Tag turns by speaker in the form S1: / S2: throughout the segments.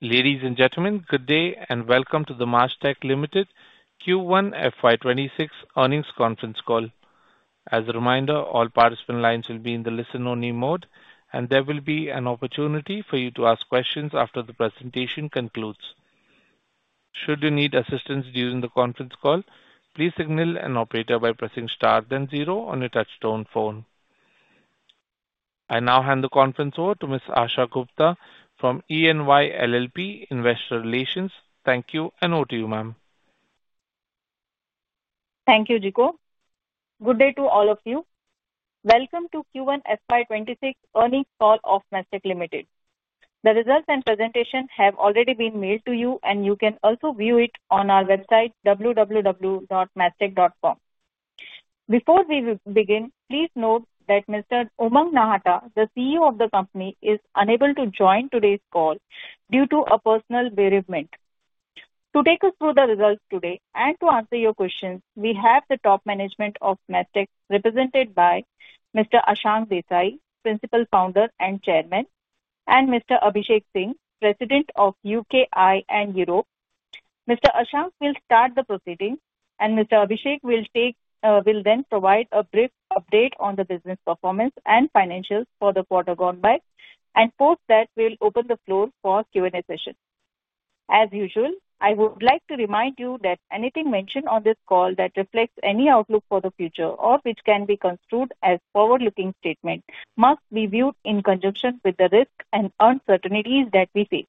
S1: Ladies and gentlemen, good day and welcome to the Mastek Limited Q1 FY26 earnings conference call. As a reminder, all participant lines will be in the listen only mode, and there will be an opportunity for you to ask questions after the presentation concludes. Should you need assistance during the conference call, please signal an operator by pressing * then 0 on your touch-tone phone. I now hand the conference over to Ms. Asha Gupta from EY LLP, Investor Relations. Thank you and over to you, ma'am.
S2: Thank you, Jico. Good day to all of you. Welcome to Q1 FY26 earnings call of Mastek Limited. The results and presentation have already been mailed to you, and you can also view it on our website, www.mastek.com. Before we begin, please note that Mr. Umang Nahata, the CEO of the company, is unable to join today's call due to a personal bereavement. To take us through the results today and to answer your questions, we have the top management of Mastek, represented by Mr. Ashank Desai, Principal Founder and Chairman, and Mr. Abhishek Singh, President of UKI and Europe. Mr. Ashank will start the proceedings, and Mr. Abhishek will then provide a brief update on the business performance and financials for the quarter gone by, and post that, we will open the floor for Q&A session. As usual, I would like to remind you that anything mentioned on this call that reflects any outlook for the future or which can be construed as a forward-looking statement must be viewed in conjunction with the risks and uncertainties that we face.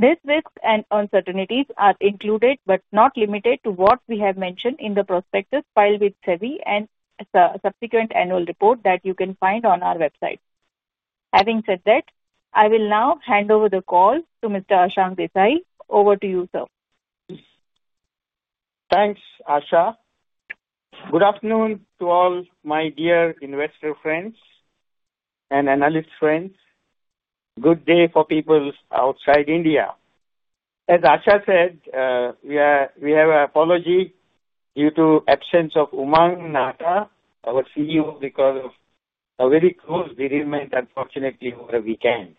S2: These risks and uncertainties are included but not limited to what we have mentioned in the prospectus filed with SEBI and the subsequent annual report that you can find on our website. Having said that, I will now hand over the call to Mr. Ashank Desai. Over to you, sir.
S3: Thanks, Asha. Good afternoon to all my dear investor friends and analyst friends. Good day for people outside India. As Asha said, we have an apology due to the absence of Umang Nahata, our CEO, because of a very close bereavement, unfortunately, over the weekend.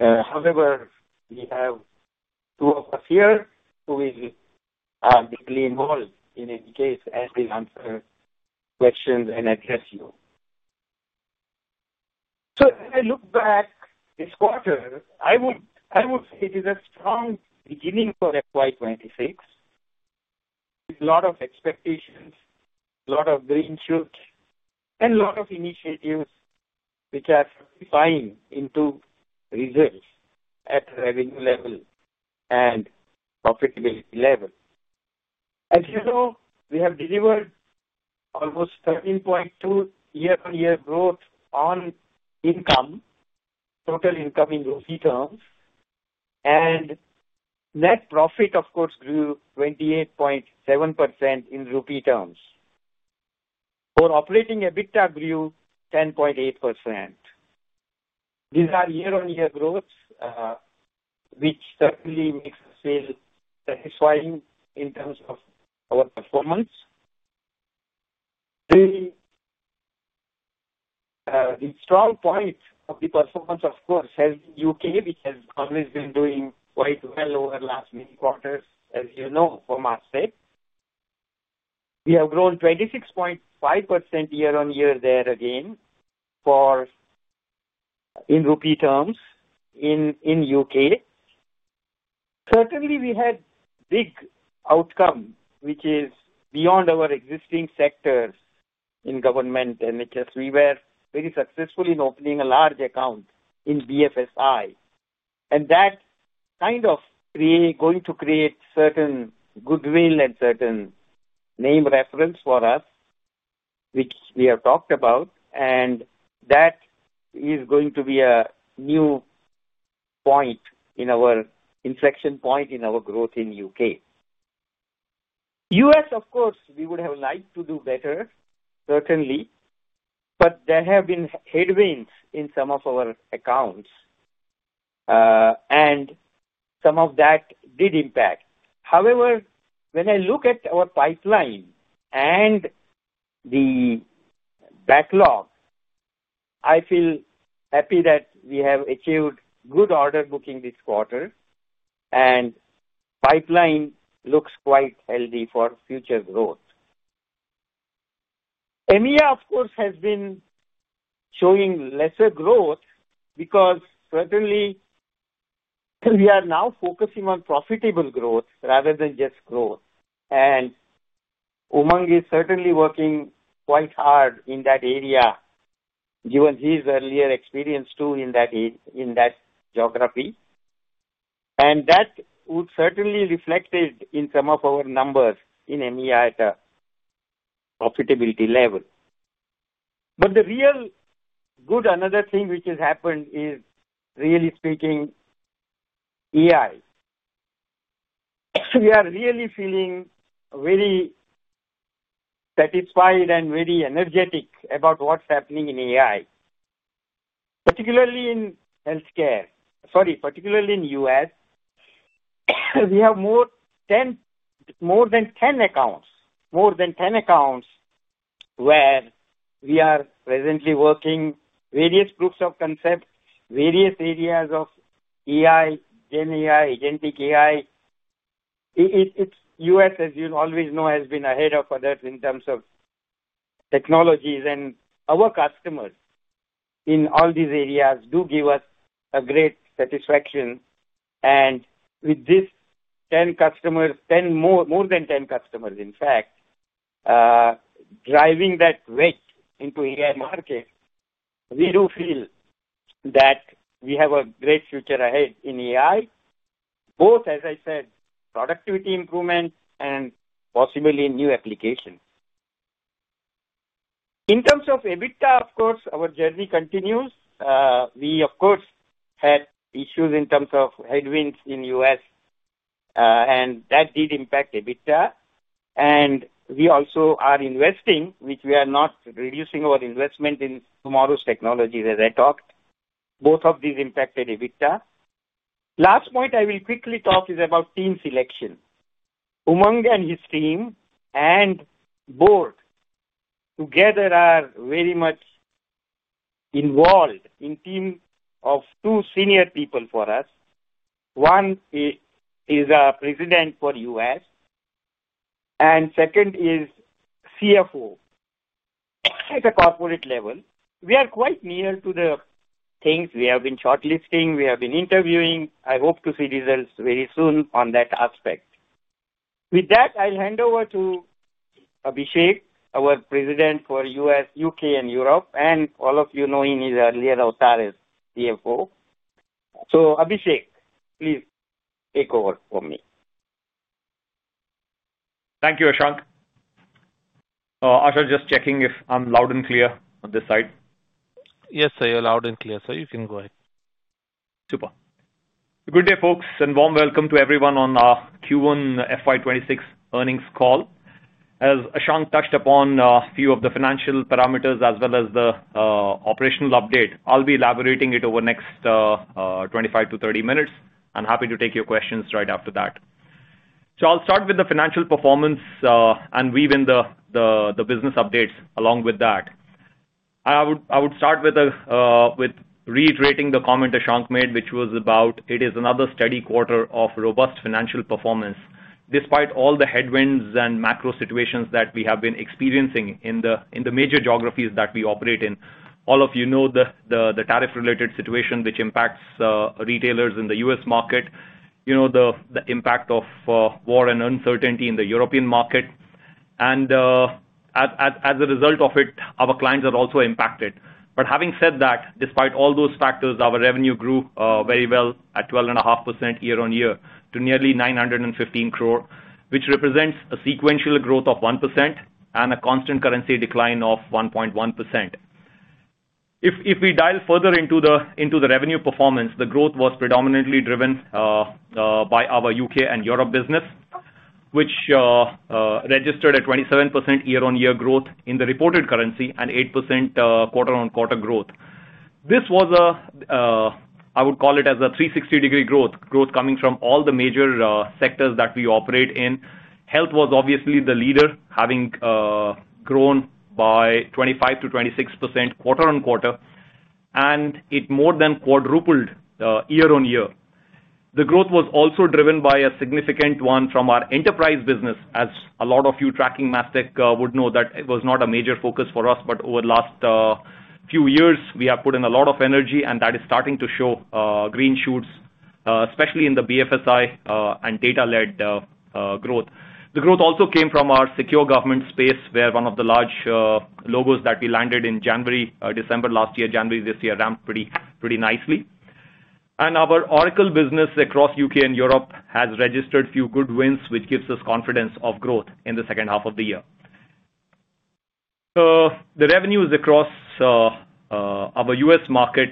S3: However, we have two of us here who will be involved in any case as we answer questions and address you. If I look back this quarter, I would say it is a strong beginning for FY26. A lot of expectations, a lot of green shoots, and a lot of initiatives which are fine into results at the revenue level and profitability level. As you know, we have delivered almost 13.2% year-on-year growth on income, total income in rupee terms, and net profit, of course, grew 28.7% in rupee terms. For operating EBITDA, grew 10.8%. These are year-on-year growth, which certainly makes us feel satisfying in terms of our performance. The strong point of the performance, of course, is the UK, which has always been doing quite well over the last many quarters, as you know from our state. We have grown 26.5% year-on-year there again in rupee terms in the UK. Certainly, we had a big outcome, which is beyond our existing sectors in government and interest. We were very successful in opening a large account in BFSI, and that kind of going to create certain goodwill and certain name reference for us, which we have talked about, and that is going to be a new point in our inflection point in our growth in the UK. The U.S., of course, we would have liked to do better, certainly, but there have been headwinds in some of our accounts, and some of that did impact. However, when I look at our pipeline and the backlog, I feel happy that we have achieved good order booking this quarter, and the pipeline looks quite healthy for future growth. EMEA, of course, has been showing lesser growth because certainly we are now focusing on profitable growth rather than just growth, and Umang is certainly working quite hard in that area, given his earlier experience too in that geography. That would certainly reflect in some of our numbers in EMEA at a profitability level. The real good, another thing which has happened is, really speaking, AI. We are really feeling very satisfied and very energetic about what's happening in AI, particularly in healthcare. Sorry, particularly in the U.S. We have more than 10 accounts, more than 10 accounts where we are presently working on various groups of concepts, various areas of AI, GenAI, Genetic AI. The U.S., as you always know, has been ahead of others in terms of technologies, and our customers in all these areas do give us a great satisfaction. With these 10 customers, more than 10 customers, in fact, driving that way into the AI market, we do feel that we have a great future ahead in AI, both, as I said, productivity improvements and possibly new applications. In terms of EBITDA, of course, our journey continues. We, of course, had issues in terms of headwinds in the U.S., and that did impact EBITDA. We also are investing, which we are not reducing our investment in tomorrow's technologies, as I talked. Both of these impacted EBITDA. The last point I will quickly talk is about team selection. Umang and his team and the board together are very much involved in a team of two senior people for us. One is the President for the U.S., and the second is the CFO. At the corporate level, we are quite near to the things we have been shortlisting. We have been interviewing. I hope to see results very soon on that aspect. With that, I'll hand over to Abhishek, our President for the U.S., UK, and Europe, and all of you know him as earlier as our CFO. So, Abhishek, please take over for me.
S4: Thank you, Ashank. Asha, just checking if I'm loud and clear on this side.
S2: Yes, sir, you're loud and clear. You can go ahead.
S4: Super. Good day, folks, and warm welcome to everyone on our Q1 FY26 earnings call. As Ashank touched upon a few of the financial parameters as well as the operational update, I'll be elaborating it over the next 25-30 minutes. I'm happy to take your questions right after that. I'll start with the financial performance and weave in the business updates along with that. I would start with reiterating the comment Ashank made, which was about it is another steady quarter of robust financial performance despite all the headwinds and macro situations that we have been experiencing in the major geographies that we operate in. All of you know the tariff-related situation which impacts retailers in the U.S. market. You know the impact of war and uncertainty in the European market, and as a result of it, our clients are also impacted. Having said that, despite all those factors, our revenue grew very well at 12.5% year-on-year to nearly 915 crore, which represents a sequential growth of 1% and a constant currency decline of 1.1%. If we dive further into the revenue performance, the growth was predominantly driven by our UK and Europe business, which registered a 27% year-on-year growth in the reported currency and 8% quarter-on-quarter growth. This was a, I would call it as a 360-degree growth, growth coming from all the major sectors that we operate in. Health was obviously the leader, having grown by 25%-26% quarter-on-quarter, and it more than quadrupled year-on-year. The growth was also driven by a significant one from our enterprise business. As a lot of you tracking Mastek would know, that it was not a major focus for us, but over the last few years, we have put in a lot of energy, and that is starting to show green shoots, especially in the BFSI and data-led growth. The growth also came from our secure government space, where one of the large logos that we landed in January or December last year, January this year, ramped pretty nicely. Our Oracle business across UK and Europe has registered a few good wins, which gives us confidence of growth in the second half of the year. The revenues across our U.S. market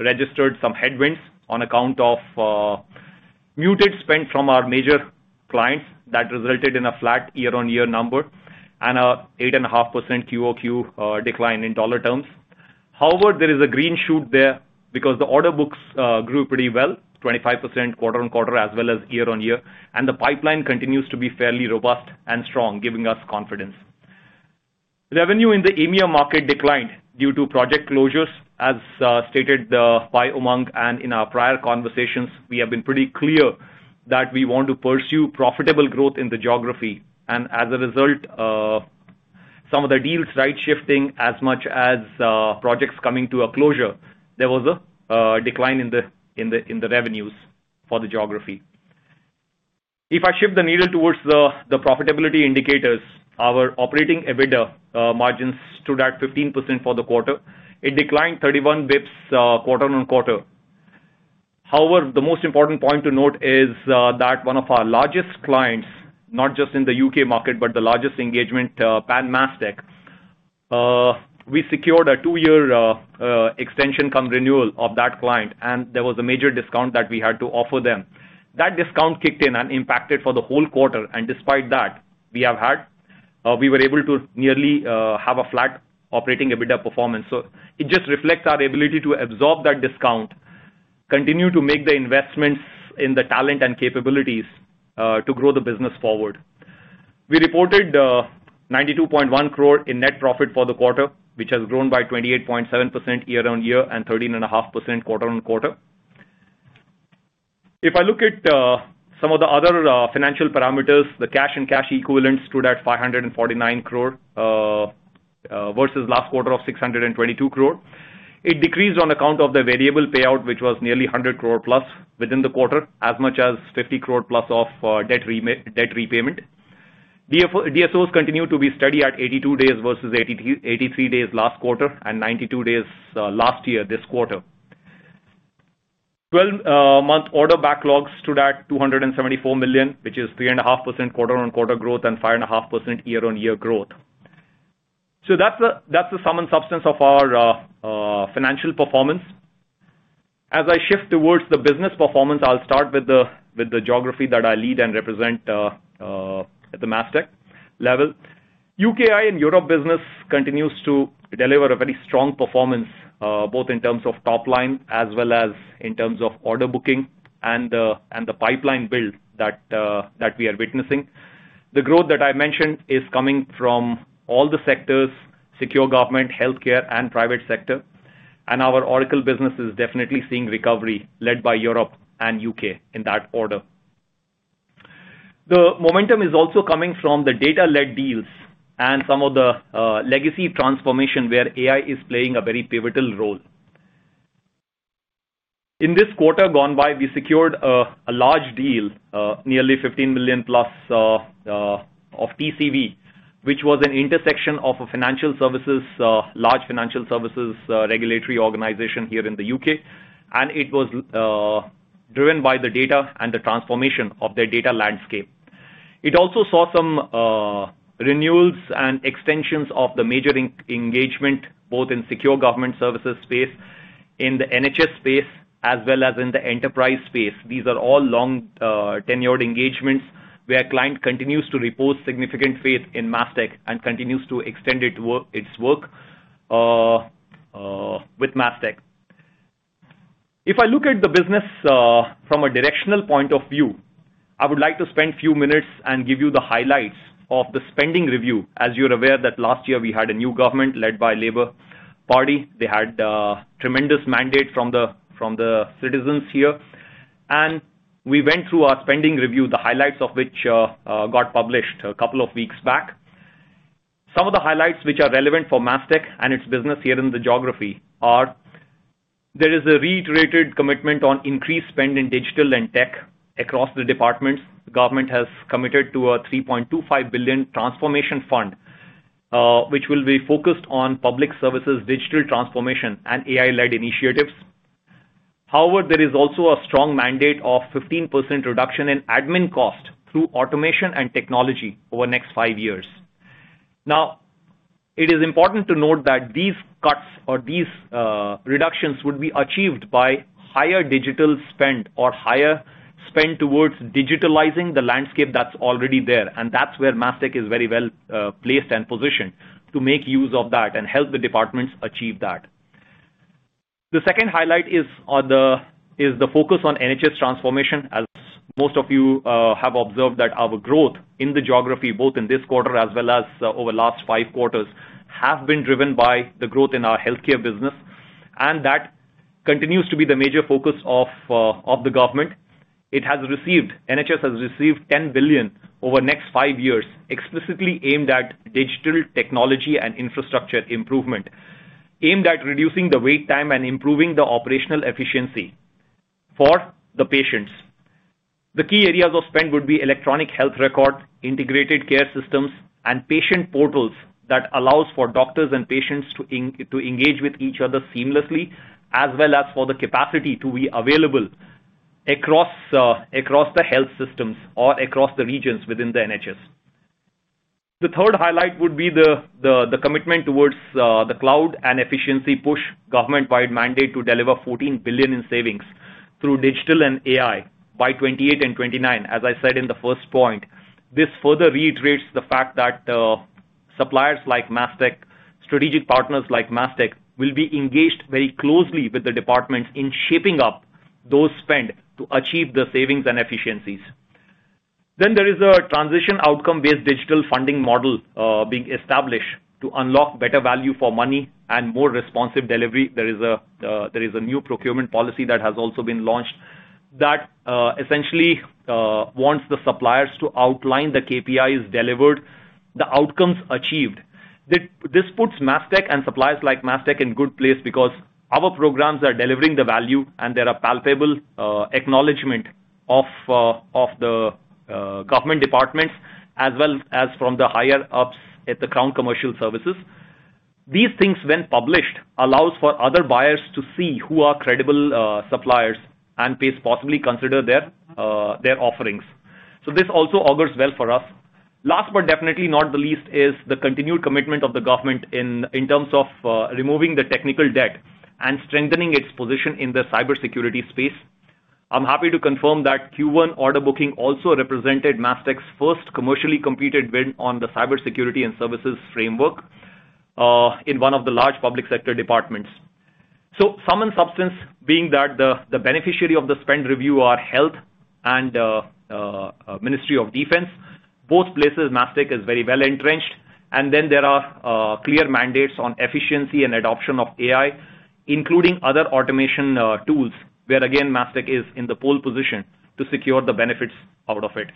S4: registered some headwinds on account of muted spend from our major clients that resulted in a flat year-on-year number and an 8.5% QOQ decline in dollar terms. However, there is a green shoot there because the order books grew pretty well, 25% quarter-on-quarter as well as year-on-year, and the pipeline continues to be fairly robust and strong, giving us confidence. Revenue in the EMEA market declined due to project closures. As stated by Umang and in our prior conversations, we have been pretty clear that we want to pursue profitable growth in the geography. As a result, some of the deals are right-shifting as much as projects coming to a closure. There was a decline in the revenues for the geography. If I shift the needle towards the profitability indicators, our operating EBITDA margins stood at 15% for the quarter. It declined 31 basis points quarter-on-quarter. However, the most important point to note is that one of our largest clients, not just in the UK market, but the largest engagement, PanMastek, we secured a two-year extension come renewal of that client, and there was a major discount that we had to offer them. That discount kicked in and impacted for the whole quarter, and despite that, we were able to nearly have a flat operating EBITDA performance. It just reflects our ability to absorb that discount, continue to make the investments in the talent and capabilities to grow the business forward. We reported 92.1 crore in net profit for the quarter, which has grown by 28.7% year-on-year and 13.5% quarter-on-quarter. If I look at some of the other financial parameters, the cash and cash equivalents stood at 549 crore versus last quarter of 622 crore. It decreased on account of the variable payout, which was nearly 100 crore plus within the quarter, as much as 50 crore plus of debt repayment. DSOs continue to be steady at 82 days versus 83 days last quarter and 92 days last year this quarter. 12-month order backlog stood at $274 million, which is 3.5% quarter-on-quarter growth and 5.5% year-on-year growth. That's the sum and substance of our financial performance. As I shift towards the business performance, I'll start with the geography that I lead and represent at the Mastek level. UKI and Europe business continues to deliver a very strong performance, both in terms of top line as well as in terms of order booking and the pipeline build that we are witnessing. The growth that I mentioned is coming from all the sectors: secure government, healthcare, and private sector. Our Oracle business is definitely seeing recovery, led by Europe and UK in that order. The momentum is also coming from the data-led deals and some of the legacy transformation where AI is playing a very pivotal role. In this quarter gone by, we secured a large deal, nearly £15 million plus of PCV, which was an intersection of a financial services, large financial services regulatory organization here in the UK. It was driven by the data and the transformation of their data landscape. It also saw some renewals and extensions of the major engagement, both in secure government services space, in the NHS space, as well as in the enterprise space. These are all long-tenured engagements where a client continues to repose significant faith in Mastek and continues to extend its work with Mastek. If I look at the business from a directional point of view, I would like to spend a few minutes and give you the highlights of the spending review. As you're aware that last year we had a new government led by the Labour Party. They had a tremendous mandate from the citizens here. We went through our spending review, the highlights of which got published a couple of weeks back. Some of the highlights which are relevant for Mastek and its business here in the geography are there is a reiterated commitment on increased spend in digital and tech across the departments. The government has committed to a £3.25 billion transformation fund, which will be focused on public services, digital transformation, and AI-led initiatives. However, there is also a strong mandate of 15% reduction in admin costs through automation and technology over the next five years. Now, it is important to note that these cuts or these reductions would be achieved by higher digital spend or higher spend towards digitalizing the landscape that's already there. That's where Mastek is very well placed and positioned to make use of that and help the departments achieve that. The second highlight is the focus on NHS transformation. As most of you have observed, our growth in the geography, both in this quarter as well as over the last five quarters, has been driven by the growth in our healthcare business. That continues to be the major focus of the government. NHS has received £10 billion over the next five years, explicitly aimed at digital technology and infrastructure improvement, aimed at reducing the wait time and improving the operational efficiency for the patients. The key areas of spend would be electronic health record, integrated care systems, and patient portals that allow for doctors and patients to engage with each other seamlessly, as well as for the capacity to be available across the health systems or across the regions within the NHS. The third highlight would be the commitment towards the cloud and efficiency push, government-wide mandate to deliver £14 billion in savings through digital and AI by 2028 and 2029. As I said in the first point, this further reiterates the fact that suppliers like Mastek, strategic partners like Mastek, will be engaged very closely with the departments in shaping up those spend to achieve the savings and efficiencies. There is a transition outcome-based digital funding model being established to unlock better value for money and more responsive delivery. There is a new procurement policy that has also been launched that essentially wants the suppliers to outline the KPIs delivered, the outcomes achieved. This puts Mastek and suppliers like Mastek in a good place because our programs are delivering the value and there are palpable acknowledgements of the government departments, as well as from the higher-ups at the Crown Commercial Services. These things, when published, allow for other buyers to see who are credible suppliers and possibly consider their offerings. This also augurs well for us. Last but definitely not the least is the continued commitment of the government in terms of removing the technical debt and strengthening its position in the cybersecurity space. I'm happy to confirm that Q1 order booking also represented Mastek's first commercially completed win on the cybersecurity and services framework in one of the large public sector departments. Sum and substance being that the beneficiary of the spend review are Health and the Ministry of Defense, both places Mastek is very well entrenched. There are clear mandates on efficiency and adoption of AI, including other automation tools, where again Mastek is in the pole position to secure the benefits out of it.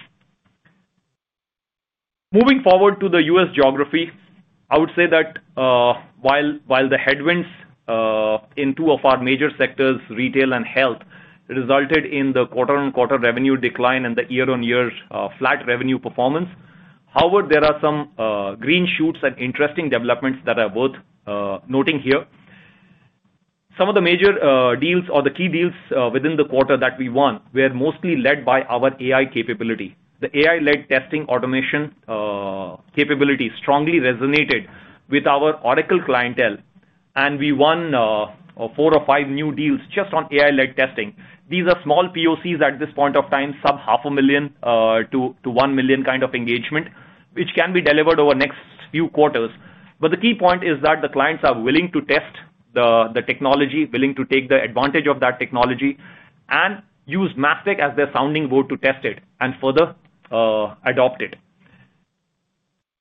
S4: Moving forward to the U.S. geography, I would say that while the headwinds in two of our major sectors, retail and health, resulted in the quarter-on-quarter revenue decline and the year-on-year flat revenue performance, there are some green shoots and interesting developments that are worth noting here. Some of the major deals or the key deals within the quarter that we won were mostly led by our AI capability. The AI-led testing automation capability strongly resonated with our Oracle clientele, and we won four or five new deals just on AI-led testing. These are small POCs at this point of time, sub $0.5 million-$1 million kind of engagement, which can be delivered over the next few quarters. The key point is that the clients are willing to test the technology, willing to take the advantage of that technology, and use Mastek as their sounding board to test it and further adopt it.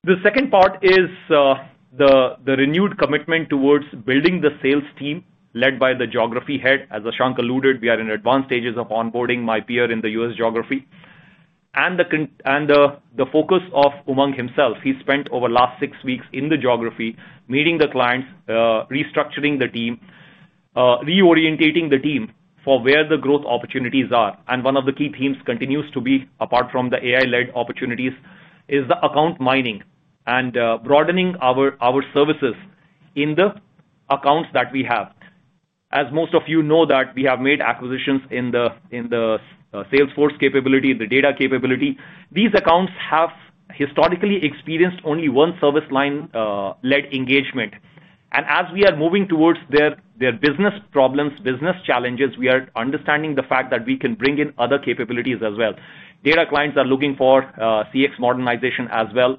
S4: The second part is the renewed commitment towards building the sales team led by the Geography Head. As Ashank alluded, we are in advanced stages of onboarding my peer in the U.S. geography. The focus of Umang himself, he spent over the last six weeks in the geography, meeting the clients, restructuring the team, reorienting the team for where the growth opportunities are. One of the key themes continues to be, apart from the AI-led opportunities, the account mining and broadening our services in the accounts that we have. As most of you know, we have made acquisitions in the Salesforce capability, the data capability. These accounts have historically experienced only one service line-led engagement. As we are moving towards their business problems, business challenges, we are understanding the fact that we can bring in other capabilities as well. Data clients are looking for CX modernization as well.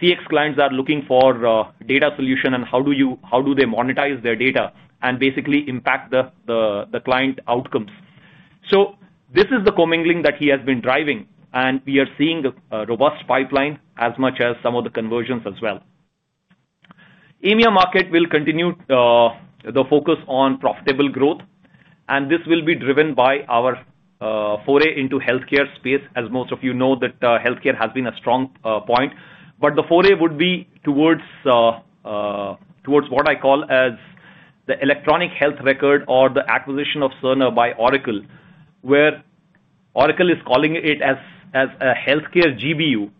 S4: CX clients are looking for data solution and how do they monetize their data and basically impact the client outcomes. This is the commingling that he has been driving, and we are seeing a robust pipeline as much as some of the conversions as well. EMEA market will continue the focus on profitable growth, and this will be driven by our foray into the healthcare space. As most of you know, healthcare has been a strong point, but the foray would be towards what I call the electronic health record or the acquisition of Cerner by Oracle, where Oracle is calling it as a healthcare GBU.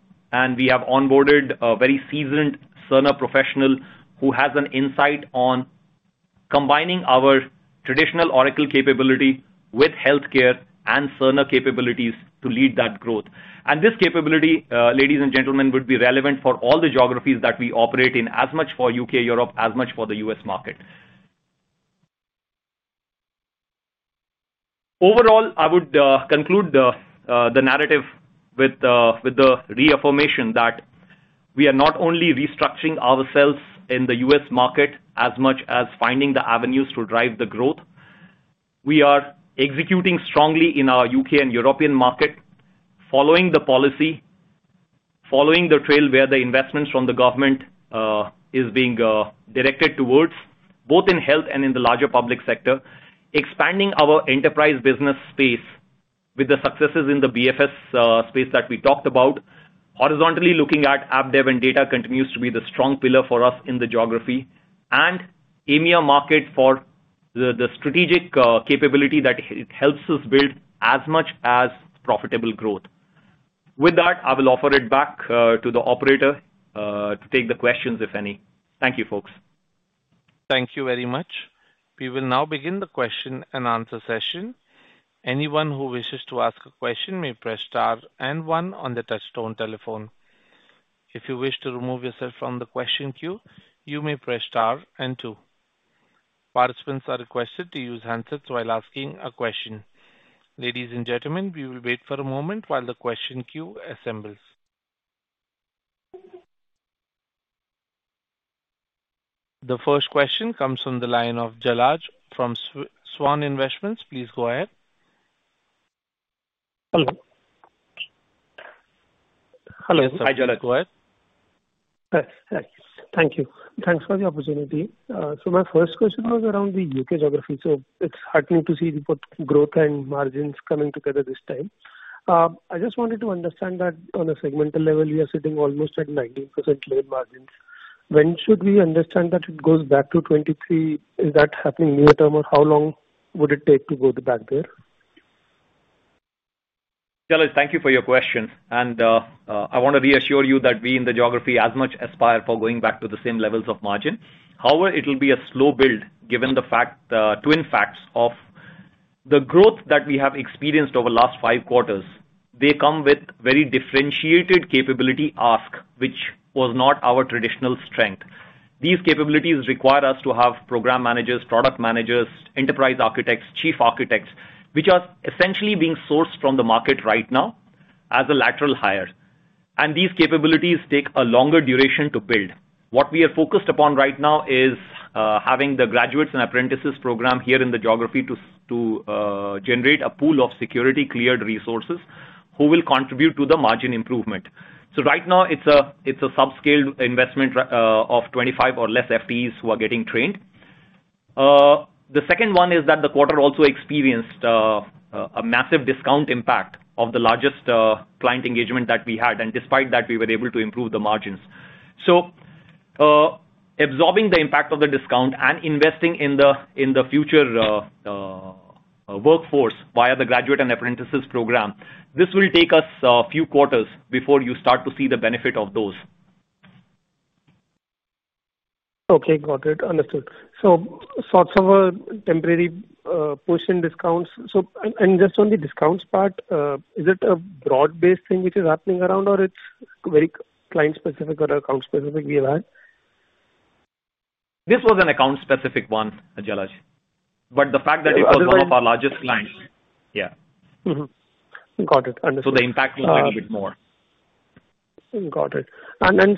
S4: We have onboarded a very seasoned Cerner professional who has an insight on combining our traditional Oracle capability with healthcare and Cerner capabilities to lead that growth. This capability, ladies and gentlemen, would be relevant for all the geographies that we operate in, as much for UK, Europe, as much for the U.S. market. Overall, I would conclude the narrative with the reaffirmation that we are not only restructuring ourselves in the U.S. market as much as finding the avenues to drive the growth. We are executing strongly in our UK and European market, following the policy, following the trail where the investments from the government are being directed towards, both in health and in the larger public sector, expanding our enterprise business space with the successes in the BFSI space that we talked about. Horizontally, looking at app dev and data continues to be the strong pillar for us in the geography and EMEA market for the strategic capability that it helps us build as much as profitable growth. With that, I will offer it back to the Operator to take the questions, if any. Thank you, folks.
S1: Thank you very much. We will now begin the question and answer session. Anyone who wishes to ask a question may press star and one on the touchstone telephone. If you wish to remove yourself from the question queue, you may press star and two. Participants are requested to use handsets while asking a question. Ladies and gentlemen, we will wait for a moment while the question queue assembles. The first question comes from the line of Jalaj from Svan Investments. Please go ahead.
S5: Hello.
S1: Yes, go ahead.
S5: Thank you. Thanks for the opportunity. My first question was around the UK geography. It's heartening to see the growth and margins coming together this time. I just wanted to understand that on a segmental level, we are sitting almost at 19% laid margins. When should we understand that it goes back to 23%? Is that happening near term or how long would it take to go back there?
S4: Jalaj, thank you for your question. I want to reassure you that we in the geography as much aspire for going back to the same levels of margin. However, it will be a slow build given the fact that the twin facts of the growth that we have experienced over the last five quarters, they come with very differentiated capability ask, which was not our traditional strength. These capabilities require us to have Program Managers, Product Managers, Enterprise Architects, Chief Architects, which are essentially being sourced from the market right now as a lateral hire. These capabilities take a longer duration to build. What we are focused upon right now is having the graduates and apprentices program here in the geography to generate a pool of security-cleared resources who will contribute to the margin improvement. Right now, it's a subscale investment of 25 or less FTEs who are getting trained. The second one is that the quarter also experienced a massive discount impact of the largest client engagement that we had. Despite that, we were able to improve the margins. Absorbing the impact of the discount and investing in the future workforce via the graduate and apprentices program will take us a few quarters before you start to see the benefit of those.
S5: Okay, got it. Understood. Sort of a temporary push in discounts. Just on the discounts part, is it a broad-based thing which is happening around or it's very client-specific or account-specific we'll have?
S4: This was an account-specific one, Jalaj. The fact that it was one of our largest clients, yeah.
S5: Got it. Understood.
S4: The impact will be a little bit more.
S5: Got it.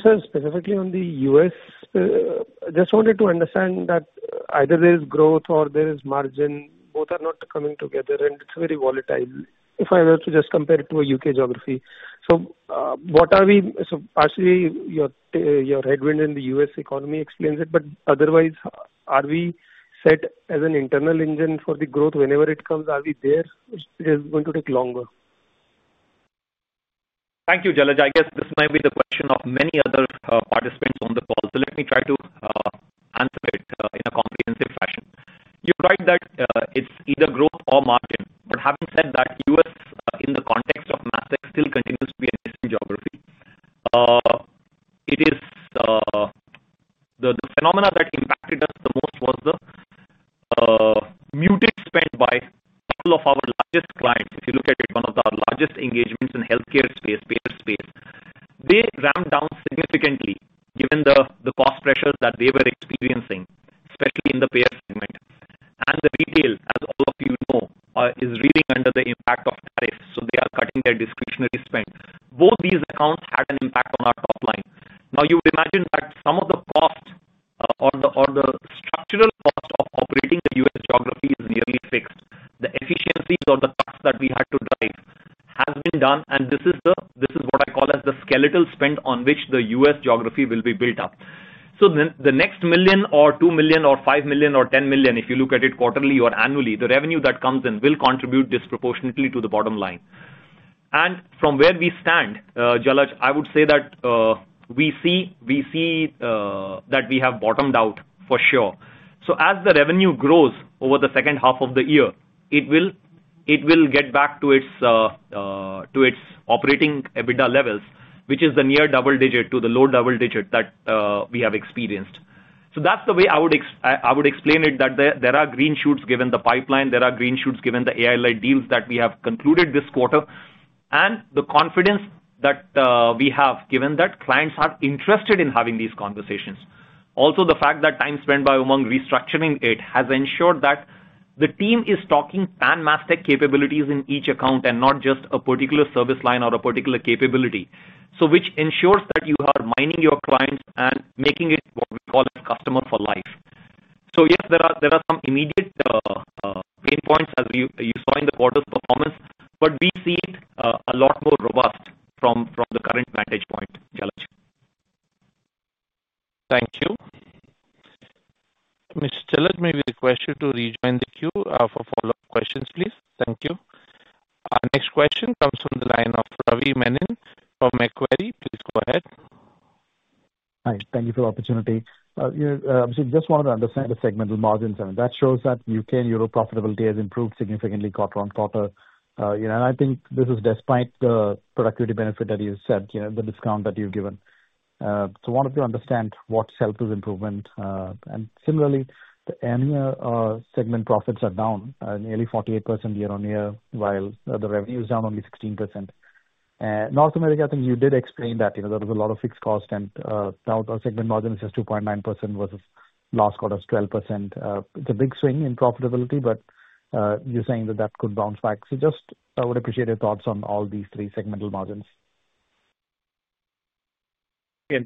S5: Sir, specifically on the U.S., I just wanted to understand that either there is growth or there is margin, both are not coming together and it's very volatile if I were to just compare it to a UK geography. What are we, partially your headwind in the U.S. economy explains it, but otherwise, are we set as an internal engine for the growth whenever it comes? Are we there? It is going to take longer.
S4: Thank you, Jalaj. I guess this might be the question of many other participants on the call. Let me try to answer it in a comprehensive fashion. You're right that it's either growth or margin. Having said that, U.S. in the context of Mastek Limited still continues to be a distinct geography. The phenomena that impacted us the most was the muted spend by all of our largest clients. If you look at it, one of our largest engagements in the healthcare space, payer space, they ramped down significantly given the cost pressures that they were experiencing, especially in the payer segment. The retail, as all of you know, is really under the impact of tariffs. They are cutting their discretionary spend. Both these accounts had an impact on our top line. You would imagine that some of the cost or the structural cost of operating the U.S. geography is nearly fixed. The efficiencies or the costs that we had to drive have been done, and this is what I call the skeletal spend on which the U.S. geography will be built up. The next $1 million or $2 million or $5 million or $10 million, if you look at it quarterly or annually, the revenue that comes in will contribute disproportionately to the bottom line. From where we stand, Jalaj, I would say that we see that we have bottomed out for sure. As the revenue grows over the second half of the year, it will get back to its operating EBITDA levels, which is the near double digit to the low double digit that we have experienced. That's the way I would explain it, that there are green shoots given the pipeline, there are green shoots given the AI-led deals that we have concluded this quarter, and the confidence that we have given that clients are interested in having these conversations. Also, the fact that time spent by Umang Nahata restructuring it has ensured that the team is talking PanMastek capabilities in each account and not just a particular service line or a particular capability, which ensures that you are mining your clients and making it what we call a customer for life. Yes, there are some immediate pain points, as you saw in the quarter's performance, but we see a lot more robust from the current vantage point, Jalaj.
S1: Thank you. Mr. Jalaj, may we request you to rejoin the queue for follow-up questions, please? Thank you. Our next question comes from the line of Ravi Menon from Macquarie. Please go ahead.
S6: Hi. Thank you for the opportunity. I just wanted to understand the segmental margins, and that shows that UK and Europe profitability has improved significantly quarter on quarter. I think this is despite the productivity benefit that you said, the discount that you've given. I wanted to understand what's helped this improvement. Similarly, the EMEA segment profits are down nearly 48% year-on-year, while the revenue is down only 16%. North America, I think you did explain that there was a lot of fixed cost, and now our segment margin is just 2.9% versus last quarter's 12%. It's a big swing in profitability, but you're saying that that could bounce back. I would appreciate your thoughts on all these three segmental margins.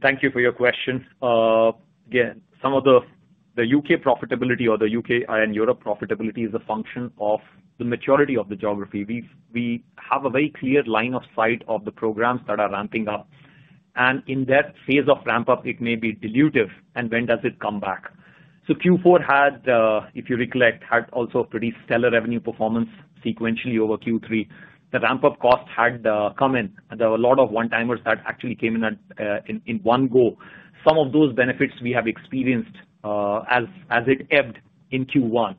S4: Thank you for your question. Some of the UK profitability or the UK and Europe profitability is a function of the maturity of the geography. We have a very clear line of sight of the programs that are ramping up. In that phase of ramp-up, it may be dilutive, and when does it come back? Q4 had, if you recollect, also a pretty stellar revenue performance sequentially over Q3. The ramp-up cost had come in, and there were a lot of one-timers that actually came in in one go. Some of those benefits we have experienced as it ebbed in Q1.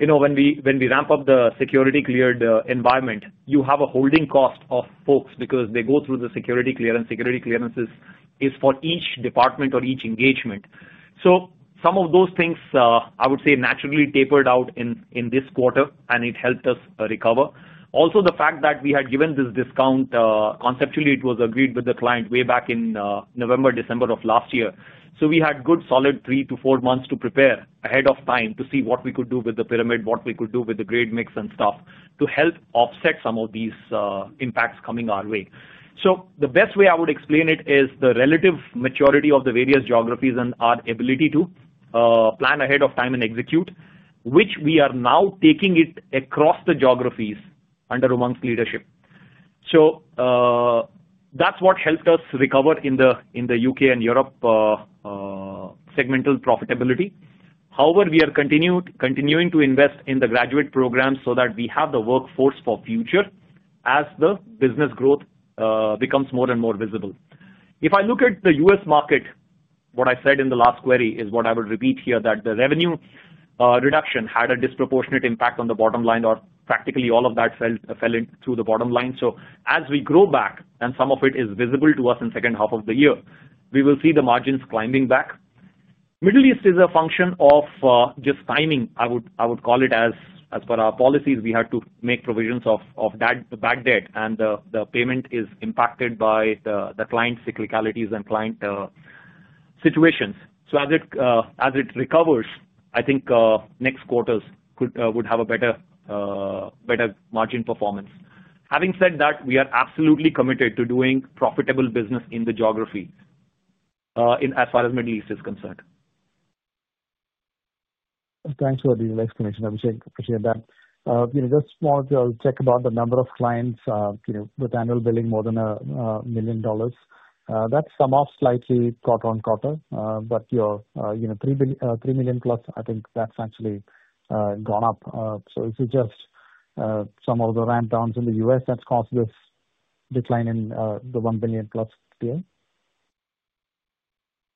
S4: When we ramp up the security-cleared environment, you have a holding cost of folks because they go through the security clearance. Security clearances are for each department or each engagement. Some of those things, I would say, naturally tapered out in this quarter, and it helped us recover. Also, the fact that we had given this discount, conceptually, it was agreed with the client way back in November, December of last year. We had good, solid three to four months to prepare ahead of time to see what we could do with the pyramid, what we could do with the grade mix and stuff to help offset some of these impacts coming our way. The best way I would explain it is the relative maturity of the various geographies and our ability to plan ahead of time and execute, which we are now taking across the geographies under Umang's leadership. That's what helped us recover in the UK and Europe segmental profitability. However, we are continuing to invest in the graduate programs so that we have the workforce for the future as the business growth becomes more and more visible. If I look at the U.S. market, what I said in the last query is what I would repeat here, that the revenue reduction had a disproportionate impact on the bottom line, or practically all of that fell through the bottom line. As we grow back, and some of it is visible to us in the second half of the year, we will see the margins climbing back. The Middle East is a function of just timing, I would call it, as per our policies. We had to make provisions of that bad debt, and the payment is impacted by the client cyclicalities and client situations. As it recovers, I think next quarters would have a better margin performance. Having said that, we are absolutely committed to doing profitable business in the geography as far as the Middle East is concerned.
S6: Thanks for the explanation. I appreciate that. Just a small check about the number of clients with annual billing more than $1 million. That's come off slightly quarter on quarter, but your $3 million plus, I think that's actually gone up. Is it just some of the ramp-downs in the U.S. that's caused this decline in the $1 million plus tier?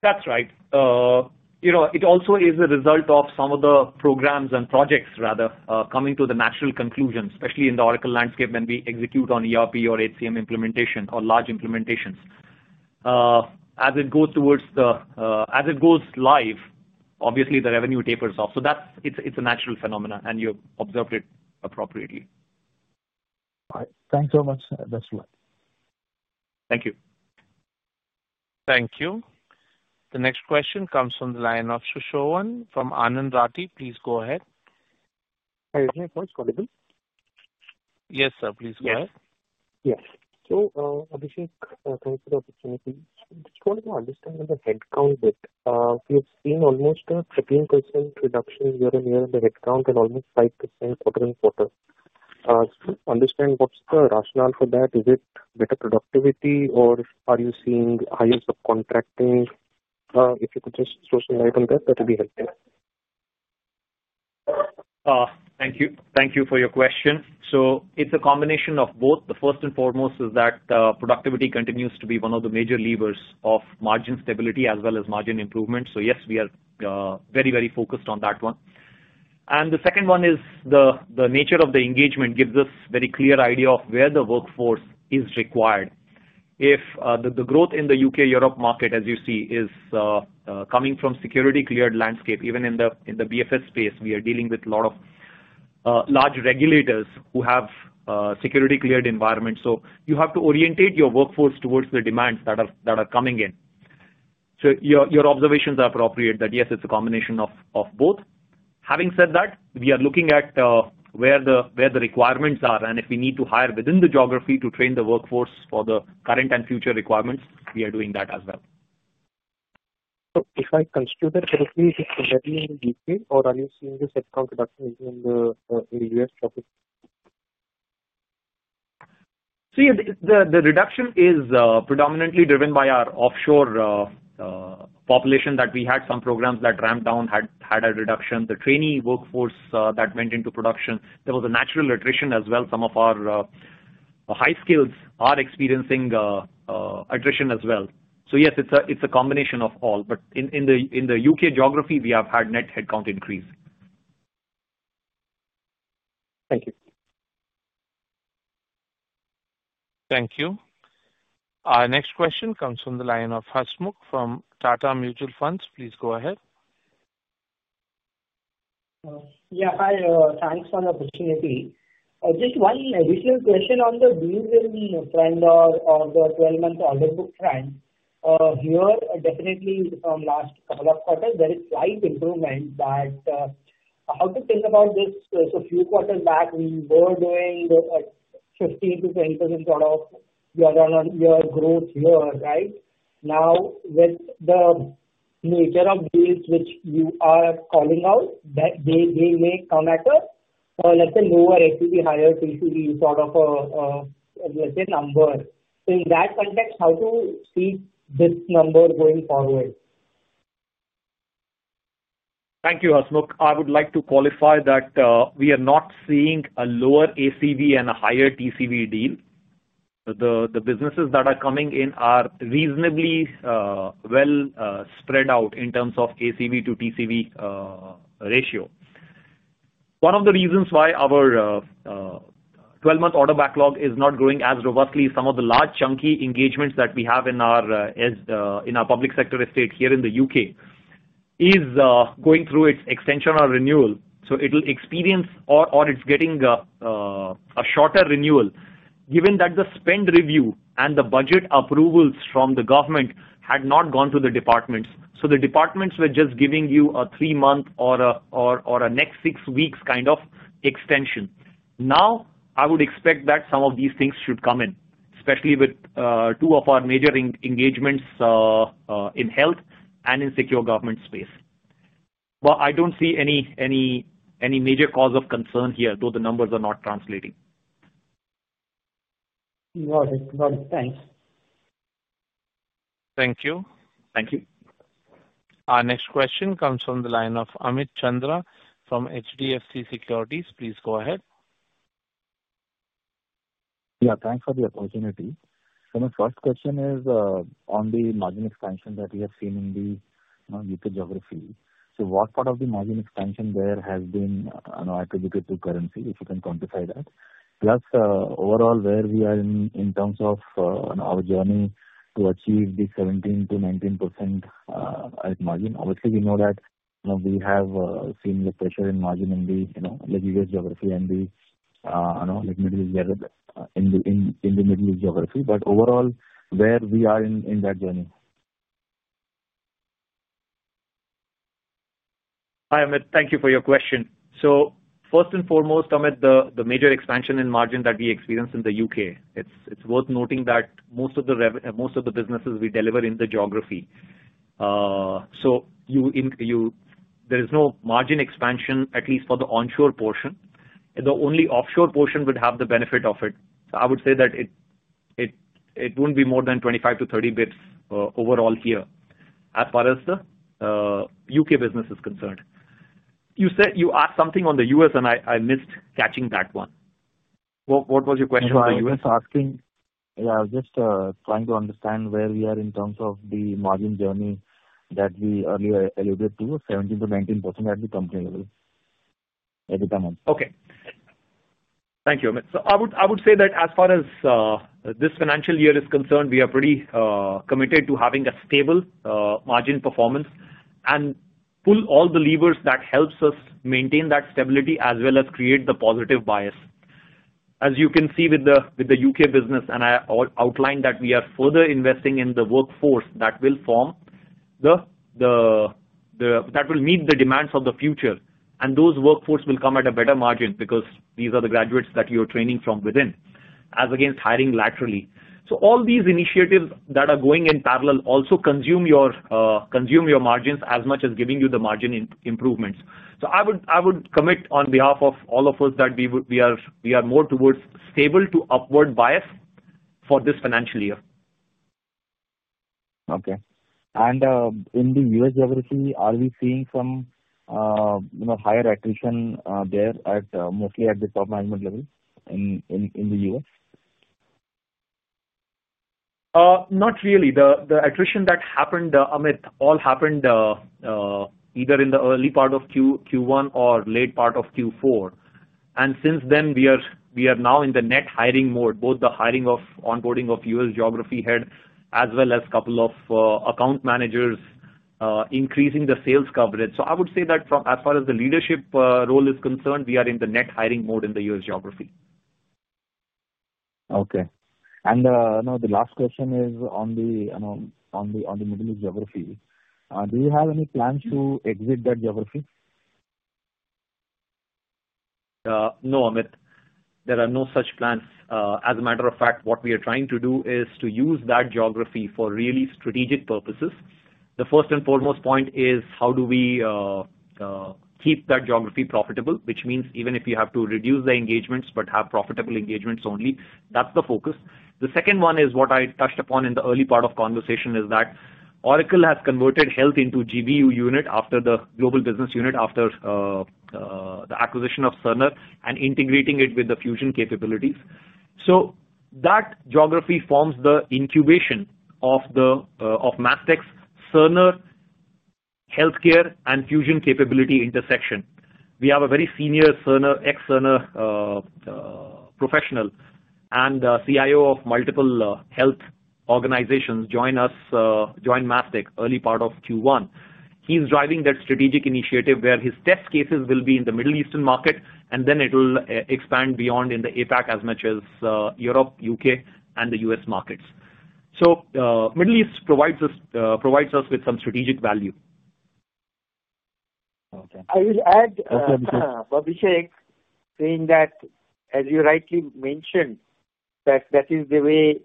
S4: That's right. It also is a result of some of the programs and projects coming to the natural conclusion, especially in the Oracle landscape when we execute on ERP or HCM implementation or large implementations. As it goes live, obviously the revenue tapers off. That's a natural phenomenon, and you observed it appropriately.
S6: Thanks very much, Abhishek.
S4: Thank you.
S1: Thank you. The next question comes from the line of Sushovon from Anand Rathi. Please go ahead.
S7: Is my point audible?
S1: Yes, sir. Please go ahead.
S7: Yes, I appreciate the opportunity. I just wanted to understand the headcount bit. We have seen almost a 13% reduction year on year in the headcount and almost 5% quarter on quarter. I just want to understand what's the rationale for that. Is it better productivity or are you seeing higher subcontracting? If you could just shed some light on that, that would be helpful.
S4: Thank you. Thank you for your question. It's a combination of both. The first and foremost is that productivity continues to be one of the major levers of margin stability as well as margin improvement. Yes, we are very, very focused on that one. The second one is the nature of the engagement gives us a very clear idea of where the workforce is required. If the growth in the UK-Europe market, as you see, is coming from a security-cleared landscape, even in the BFSI space, we are dealing with a lot of large regulators who have security-cleared environments. You have to orientate your workforce towards the demands that are coming in. Your observations are appropriate that, yes, it's a combination of both. Having said that, we are looking at where the requirements are, and if we need to hire within the geography to train the workforce for the current and future requirements, we are doing that as well.
S7: Can you say this is especially in the UK or are you seeing this headcount reduction in the U.S?
S4: The reduction is predominantly driven by our offshore population that we had. Some programs that ramped down had a reduction. The trainee workforce that went into production, there was a natural attrition as well. Some of our high skills are experiencing attrition as well. Yes, it's a combination of all. In the UK geography, we have had net headcount increase.
S7: Thank you.
S1: Thank you. Our next question comes from the line of Hasmukh from Tata Mutual Funds. Please go ahead.
S8: Yeah. Hi. Thanks for the opportunity. Just one additional question on the Greenville trend or the 12-month order book trend. There is definitely in the last couple of quarters a slight improvement. How to think about this? A few quarters back, we were doing a 15%-20% sort of year-on-year growth here, right? Now, with the nature of ways which you are calling out, that they may come at us, let's say, lower ACV, higher TCV sort of a, let's say, number. In that context, how do you see this number going forward?
S4: Thank you, Hasmukh. I would like to qualify that we are not seeing a lower ACV and a higher TCV deal. The businesses that are coming in are reasonably well spread out in terms of ACV to TCV ratio. One of the reasons why our 12-month order backlog is not growing as robustly is that some of the large chunky engagements that we have in our public sector estate here in the UK are going through their extension or renewal. It will experience or is getting a shorter renewal given that the spend review and the budget approvals from the government had not gone to the departments. The departments were just giving you a three-month or a next six weeks kind of extension. I would expect that some of these things should come in, especially with two of our major engagements in health and in secure government space. I don't see any major cause of concern here, though the numbers are not translating.
S8: Got it. Got it. Thanks.
S4: Thank you.
S8: Thank you.
S1: Our next question comes from the line of Amit Chandra from HDFC Securities. Please go ahead.
S9: Yeah. Thanks for the opportunity. The first question is on the margin expansion that we have seen in the UK geography. What part of the margin expansion there has been attributed to currency, if you can quantify that? Plus, overall, where we are in terms of our journey to achieve the 17% to 19% margin. Obviously, we know that we have seen the pressure in margin in the US geography and the Middle East geography. Overall, where we are in that journey?
S4: Hi, Amit. Thank you for your question. First and foremost, Amit, the major expansion in margin that we experienced in the UK, it's worth noting that most of the businesses we deliver in the geography. There is no margin expansion, at least for the onshore portion. The only offshore portion would have the benefit of it. I would say that it wouldn't be more than 25-30 basis points overall here as far as the UK business is concerned. You said you asked something on the U.S., and I missed catching that one. What was your question on the U.S.?
S9: I was just asking, just trying to understand where we are in terms of the margin journey that we earlier alluded to, 17%-19% at the company level.
S4: Thank you, Amit. I would say that as far as this financial year is concerned, we are pretty committed to having a stable margin performance and pull all the levers that help us maintain that stability as well as create the positive bias. As you can see with the UK business, I outlined that we are further investing in the workforce that will meet the demands of the future, and those workforce will come at a better margin because these are the graduates that you're training from within as against hiring laterally. All these initiatives that are going in parallel also consume your margins as much as giving you the margin improvements. I would commit on behalf of all of us that we are more towards stable to upward bias for this financial year.
S9: Okay. In the U.S. geography, are we seeing some higher attrition there, mostly at the top management level in the U.S?
S4: Not really. The attrition that happened, Amit, all happened either in the early part of Q1 or late part of Q4. Since then, we are now in the net hiring mode, both the hiring of onboarding of U.S. geography head as well as a couple of account managers increasing the sales coverage. I would say that as far as the leadership role is concerned, we are in the net hiring mode in the U.S. geography.
S9: Okay. The last question is on the Middle East geography. Do you have any plans to exit that geography?
S4: No, Amit. There are no such plans. As a matter of fact, what we are trying to do is to use that geography for really strategic purposes. The first and foremost point is how do we keep that geography profitable, which means even if you have to reduce the engagements but have profitable engagements only, that's the focus. The second one is what I touched upon in the early part of the conversation is that Oracle has converted health into a global business unit after the acquisition of Cerner and integrating it with the fusion capabilities. That geography forms the incubation of Mastek's Cerner healthcare and fusion capability intersection. We have a very senior ex-Cerner professional and CIO of multiple health organizations join Mastek early part of Q1. He's driving that strategic initiative where his test cases will be in the Middle Eastern market, and it'll expand beyond in the APAC as much as Europe, UK, and the U.S. markets. The Middle East provides us with some strategic value.
S3: Okay. I will add, Abhishek Singh, saying that as you rightly mentioned, that is the way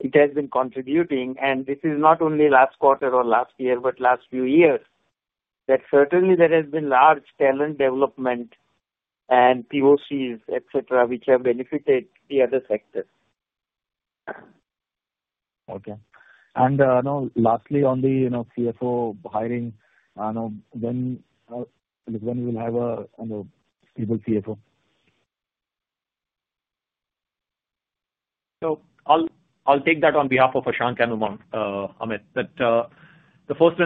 S3: it has been contributing. This is not only last quarter or last year, but last few years, that certainly there has been large talent development and POCs, etc., which have benefited the other sectors.
S9: Lastly, on the CFO hiring, when will you have a stable CFO?
S4: I'll take that on behalf of Ashank, Amit. The first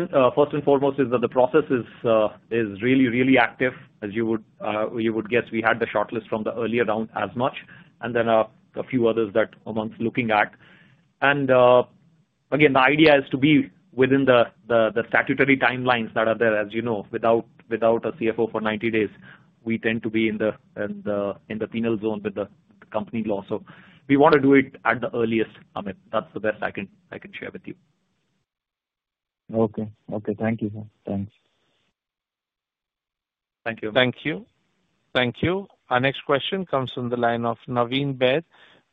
S4: and foremost is that the process is really, really active, as you would guess. We had the shortlist from the earlier round as much, and then a few others that Umang's looking at. The idea is to be within the statutory timelines that are there, as you know, without a CFO for 90 days. We tend to be in the penal zone with the company law. We want to do it at the earliest, Amit. That's the best I can share with you.
S9: Okay. Thank you, sir. Thanks.
S4: Thank you.
S1: Thank you. Thank you. Our next question comes from the line of Naveen Baid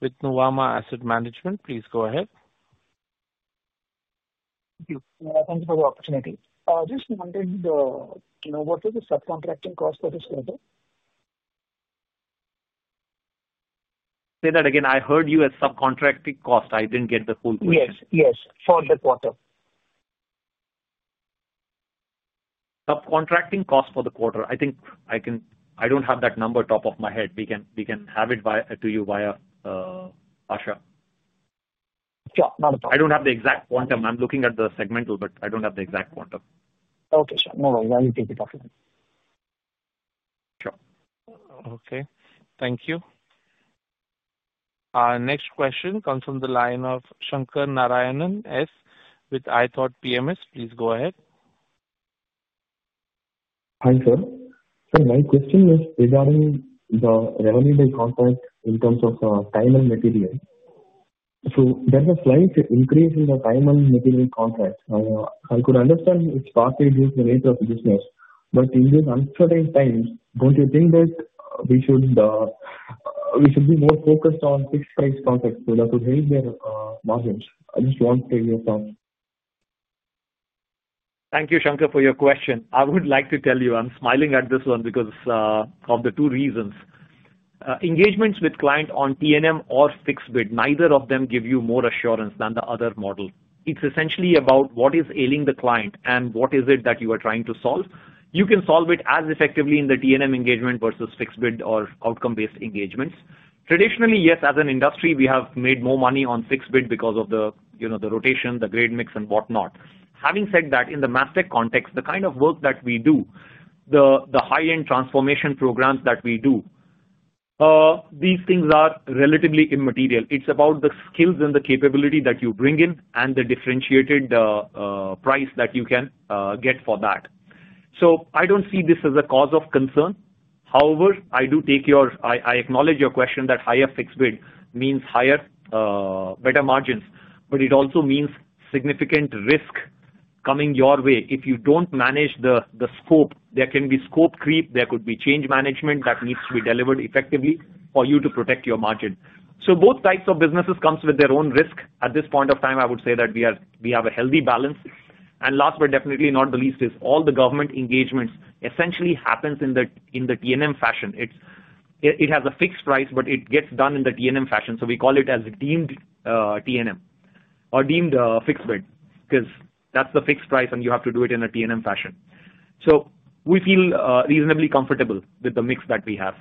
S1: with Nuvama Asset Management. Please go ahead.
S10: Thank you. Thank you for the opportunity. Just to continue, what is the subcontracting cost that is going to?
S4: Say that again. I heard you as subcontracting cost. I didn't get the full question.
S10: Yes, for the quarter.
S4: Subcontracting cost for the quarter, I think I can. I don't have that number top of my head. We can have it to you via Asha.
S10: Sure.
S4: I don't have the exact quantum. I'm looking at the segmental, but I don't have the exact quantum.
S10: Okay, sure. No, you take it offline.
S4: Sure.
S1: Okay. Thank you. Our next question comes from the line of Shankar Narayanan S. with iThought PMS. Please go ahead.
S11: Hi, sir. My question is regarding the revenue they contract in terms of time and material. There's a slight increase in the time and material contract. I could understand it's partly due to the nature of the business. In these uncertain times, don't you think that we should be more focused on fixed price contracts to help their margins? I just want to tell you a thought.
S4: Thank you, Sankar, for your question. I would like to tell you I'm smiling at this one because of two reasons. Engagements with clients on TNM or fixed bid, neither of them give you more assurance than the other model. It's essentially about what is ailing the client and what is it that you are trying to solve. You can solve it as effectively in the TNM engagement versus fixed bid or outcome-based engagements. Traditionally, yes, as an industry, we have made more money on fixed bid because of the rotation, the grade mix, and whatnot. Having said that, in the Mastek Limited context, the kind of work that we do, the high-end transformation programs that we do, these things are relatively immaterial. It's about the skills and the capability that you bring in and the differentiated price that you can get for that. I don't see this as a cause of concern. However, I do take your, I acknowledge your question that higher fixed bid means higher, better margins, but it also means significant risk coming your way. If you don't manage the scope, there can be scope creep. There could be change management that needs to be delivered effectively for you to protect your margin. Both types of businesses come with their own risk. At this point of time, I would say that we have a healthy balance. Last but definitely not the least is all the government engagements essentially happen in the TNM fashion. It has a fixed price, but it gets done in the TNM fashion. We call it as a deemed TNM or deemed fixed bid because that's the fixed price and you have to do it in a TNM fashion. We feel reasonably comfortable with the mix that we have.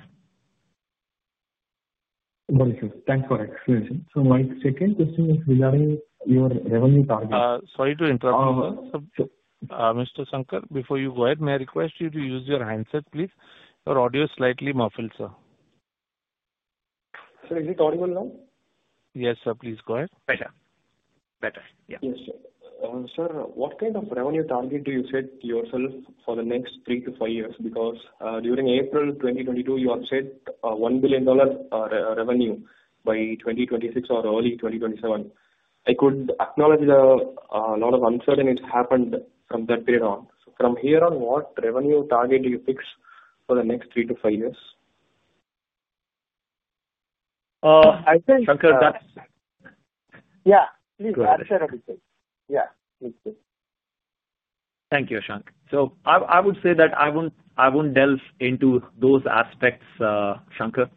S11: Thanks for that explanation. My second question is regarding your revenue target.
S1: Sorry to interrupt.
S11: Sure.
S1: Mr. Sankar, before you go ahead, may I request you to use your handset, please? Your audio is slightly muffled, sir.
S11: Sir, is it audible now?
S1: Yes, sir. Please go ahead.
S11: Yes, sure. Sir, what kind of revenue target do you set yourself for the next three to five years? Because during April 2022, you have set $1 billion revenue by 2026 or early 2027. I could acknowledge that a lot of uncertainty happened from that period on. From here on, what revenue target do you fix for the next three to five years?
S4: I think. Sankar, that's. Yeah.
S11: Okay.
S4: Yeah.
S11: Thank you, Ashank.
S4: I would say that I won't delve into those aspects, Sankar.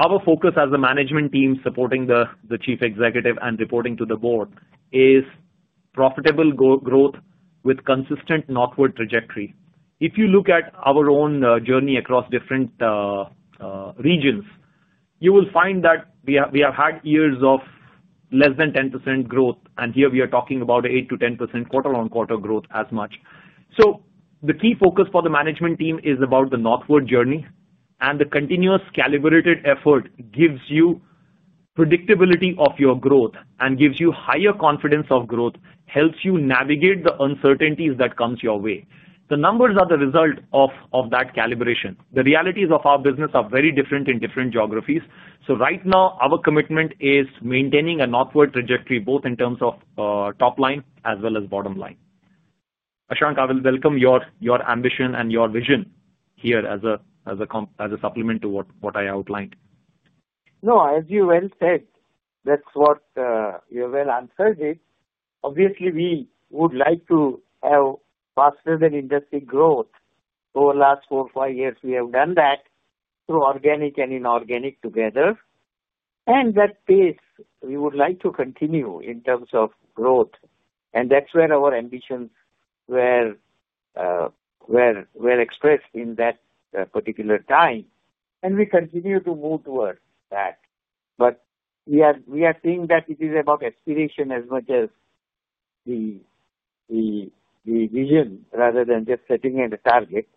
S4: Our focus as a management team supporting the Chief Executive and reporting to the board is profitable growth with a consistent northward trajectory. If you look at our own journey across different regions, you will find that we have had years of less than 10% growth, and here we are talking about 8%-10% quarter on quarter growth as much. The key focus for the management team is about the northward journey, and the continuous calibrated effort gives you predictability of your growth and gives you higher confidence of growth, helps you navigate the uncertainties that come your way. The numbers are the result of that calibration. The realities of our business are very different in different geographies. Right now, our commitment is maintaining a northward trajectory, both in terms of top line as well as bottom line. Ashank, I will welcome your ambition and your vision here as a supplement to what I outlined.
S3: No, as you well said, that's what you well answered it. Obviously, we would like to have faster than industry growth. Over the last four or five years, we have done that through organic and inorganic together. That pace, we would like to continue in terms of growth. That's where our ambitions were expressed in that particular time. We continue to move towards that. We are seeing that it is about aspiration as much as the vision rather than just setting a target.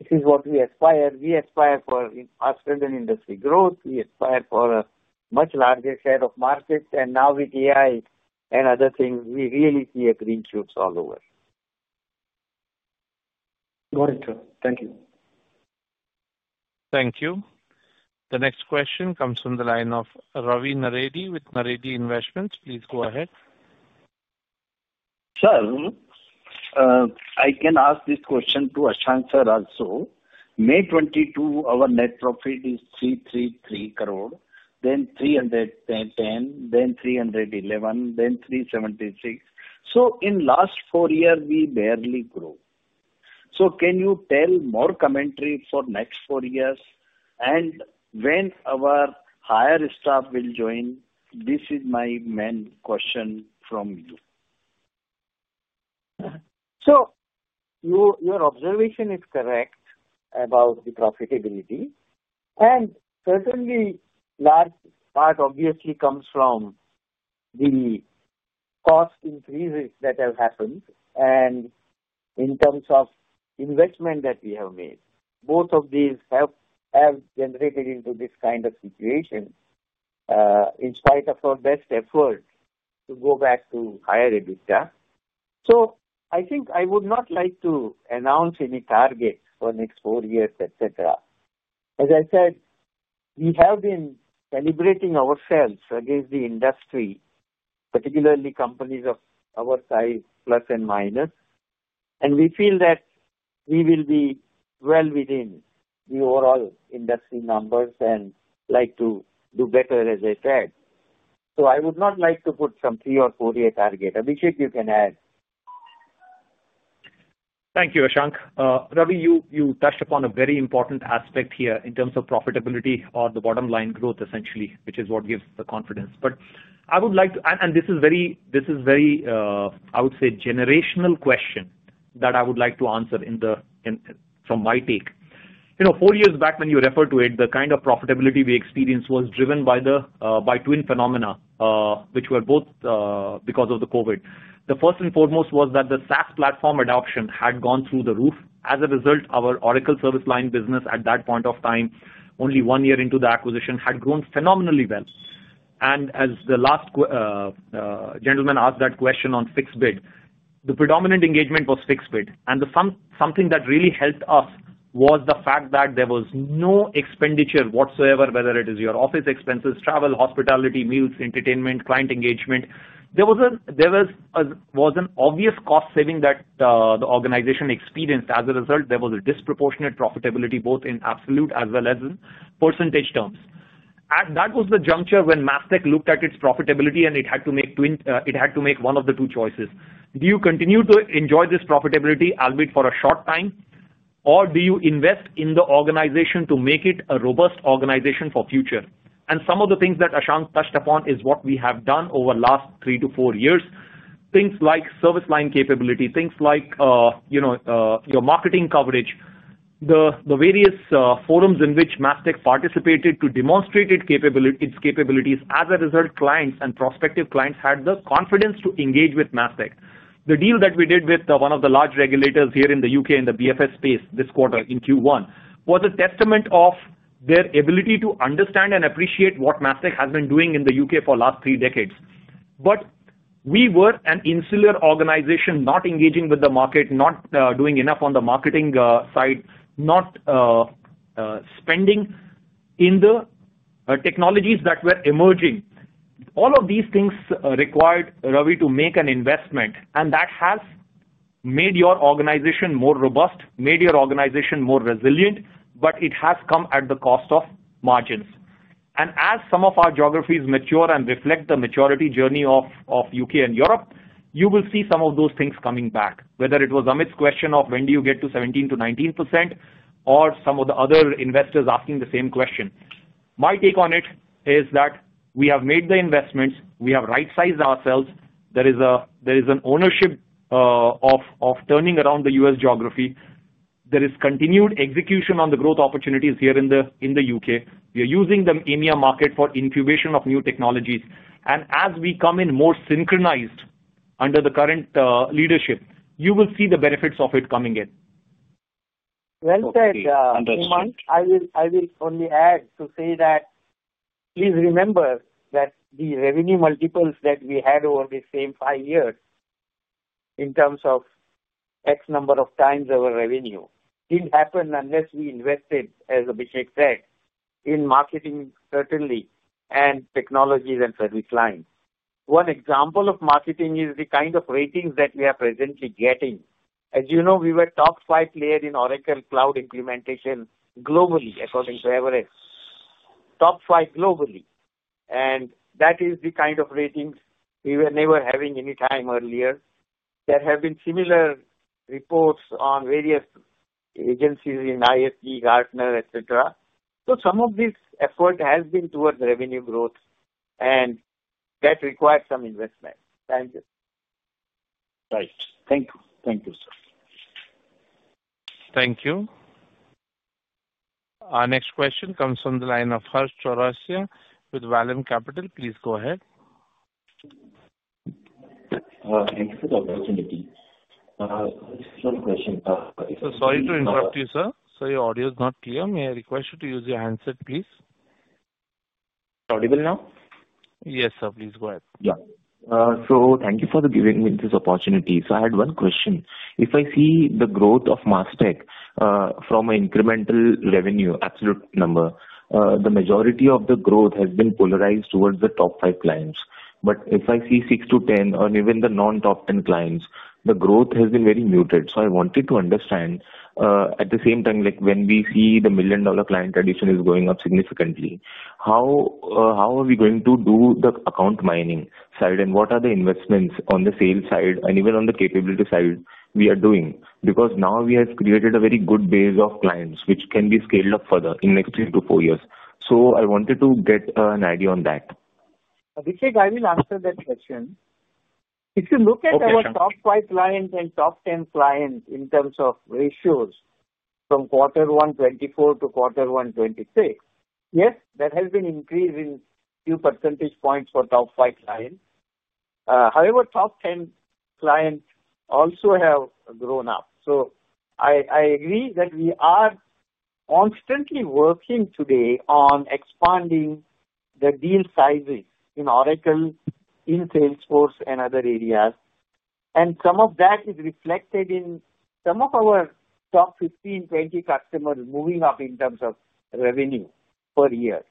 S3: This is what we aspire. We aspire for faster than industry growth. We aspire for a much larger share of markets. Now with AI and other things, we really see a green shoot all over. Got it, sir. Thank you.
S1: Thank you. The next question comes from the line of Ravi Naredi with Naredi Investments. Please go ahead.
S12: Sure. I can ask this question to Ashank, sir, also? May 2022, our net profit is 333 crore, then 310, then 311, then 376. In the last four years, we barely grow. Can you tell more commentary for the next four years? When our higher staff will join, this is my main question from you.
S3: Your observation is correct about the profitability. Certainly, a large part obviously comes from the cost increases that have happened. In terms of investment that we have made, both of these have generated into this kind of situation in spite of our best effort to go back to higher EBITDA. I would not like to announce any targets for the next four years. As I said, we have been calibrating ourselves against the industry, particularly companies of our size, plus and minus. We feel that we will be well within the overall industry numbers and like to do better, as I said. I would not like to put some three or four-year targets. Abhishek, you can add.
S4: Thank you, Ashank. Ravi, you touched upon a very important aspect here in terms of profitability or the bottom line growth, essentially, which is what gives the confidence. I would like to, and this is very, I would say, generational question that I would like to answer from my take. You know, four years back, when you referred to it, the kind of profitability we experienced was driven by the twin phenomena, which were both because of the COVID. The first and foremost was that the SaaS platform adoption had gone through the roof. As a result, our Oracle service line business at that point of time, only one year into the acquisition, had grown phenomenally well. As the last gentleman asked that question on fixed bid, the predominant engagement was fixed bid. Something that really helped us was the fact that there was no expenditure whatsoever, whether it is your office expenses, travel, hospitality, meals, entertainment, client engagement. There was an obvious cost saving that the organization experienced. As a result, there was a disproportionate profitability, both in absolute as well as in percentage terms. That was the juncture when Mastek Limited looked at its profitability and it had to make one of the two choices. Do you continue to enjoy this profitability, albeit for a short time, or do you invest in the organization to make it a robust organization for the future? Some of the things that Ashank touched upon are what we have done over the last three to four years. Things like service line capability, things like your marketing coverage, the various forums in which Mastek Limited participated to demonstrate its capabilities. As a result, clients and prospective clients had the confidence to engage with Mastek Limited. The deal that we did with one of the large regulators here in the UK in the BFSI space this quarter in Q1 was a testament of their ability to understand and appreciate what Mastek Limited has been doing in the UK for the last three decades. We were an insular organization, not engaging with the market, not doing enough on the marketing side, not spending in the technologies that were emerging. All of these things required Ravi to make an investment, and that has made your organization more robust, made your organization more resilient, but it has come at the cost of margins. As some of our geographies mature and reflect the maturity journey of the UK and Europe, you will see some of those things coming back, whether it was Amit's question of when do you get to 17% to 19% or some of the other investors asking the same question. My take on it is that we have made the investments. We have right-sized ourselves. There is an ownership of turning around the U.S. geography. There is continued execution on the growth opportunities here in the UK. We are using the EMEA market for incubation of new technologies. As we come in more synchronized under the current leadership, you will see the benefits of it coming in.
S3: Thank you. I will only add to say that please remember that the revenue multiples that we had over these same five years in terms of X number of times over revenue didn't happen unless we invested, as Abhishek said, in marketing certainly and technologies and service lines. One example of marketing is the kind of ratings that we are presently getting. As you know, we were top five players in Oracle cloud implementation globally, according to average. Top five globally. That is the kind of ratings we were never having any time earlier. There have been similar reports on various agencies in IFG, Gartner, etc. Some of this effort has been towards revenue growth, and that requires some investment. Thank you.
S12: Thank you. Thank you, sir.
S1: Thank you. Our next question comes from the line of Harsh Chaurasia with Vallum Capital. Please go ahead.
S13: Thank you for the opportunity. This is a short question.
S1: Sorry to interrupt you, sir. Sir, your audio is not clear. May I request you to use your handset, please?
S13: Audible now?
S1: Yes, sir. Please go ahead.
S13: Yeah. Thank you for giving me this opportunity. I had one question. If I see the growth of Mastek Limited from an incremental revenue absolute number, the majority of the growth has been polarized towards the top five clients. If I see 6 to 10 or even the non-top 10 clients, the growth has been very muted. I wanted to understand, at the same time, like when we see the million-dollar client addition is going up significantly, how are we going to do the account mining side and what are the investments on the sales side and even on the capability side we are doing? Now we have created a very good base of clients which can be scaled up further in the next three to four years. I wanted to get an idea on that.
S3: Abhishek, I will answer that question. If you look at our top five clients and top 10 clients in terms of ratios from quarter 124 to quarter 126, yes, that has increased a few percentage points for top five clients. However, top 10 clients also have grown up. I agree that we are constantly working today on expanding the deal sizing in Oracle, in Salesforce, and other areas. Some of that is reflected in some of our top 15, 20 customers moving up in terms of revenue per year.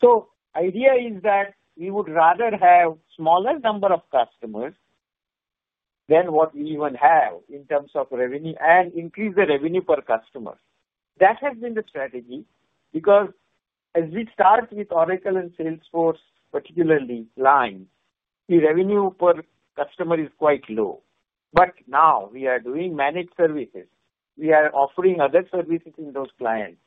S3: The idea is that we would rather have a smaller number of customers than what we even have in terms of revenue and increase the revenue per customer. That has been the strategy because as we start with Oracle and Salesforce, particularly Line, the revenue per customer is quite low. Now we are doing managed services. We are offering other services in those clients.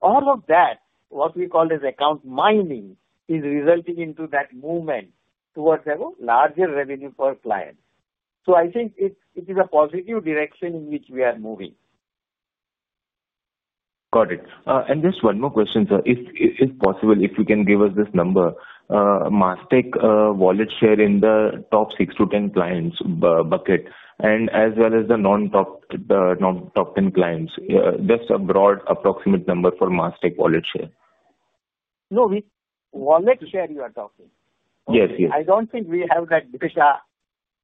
S3: All of that, what we call as account mining, is resulting into that movement towards a larger revenue per client. I think it is a positive direction in which we are moving. Got it. Just one more question, sir. If it's possible, if you can give us this number, Mastek Limited wallet share in the top 6-10 clients bucket and as well as the non-top 10 clients, just a broad approximate number for Mastek Limited wallet share. No, we wanted to share your topic. Yes, yes. I don't think we have that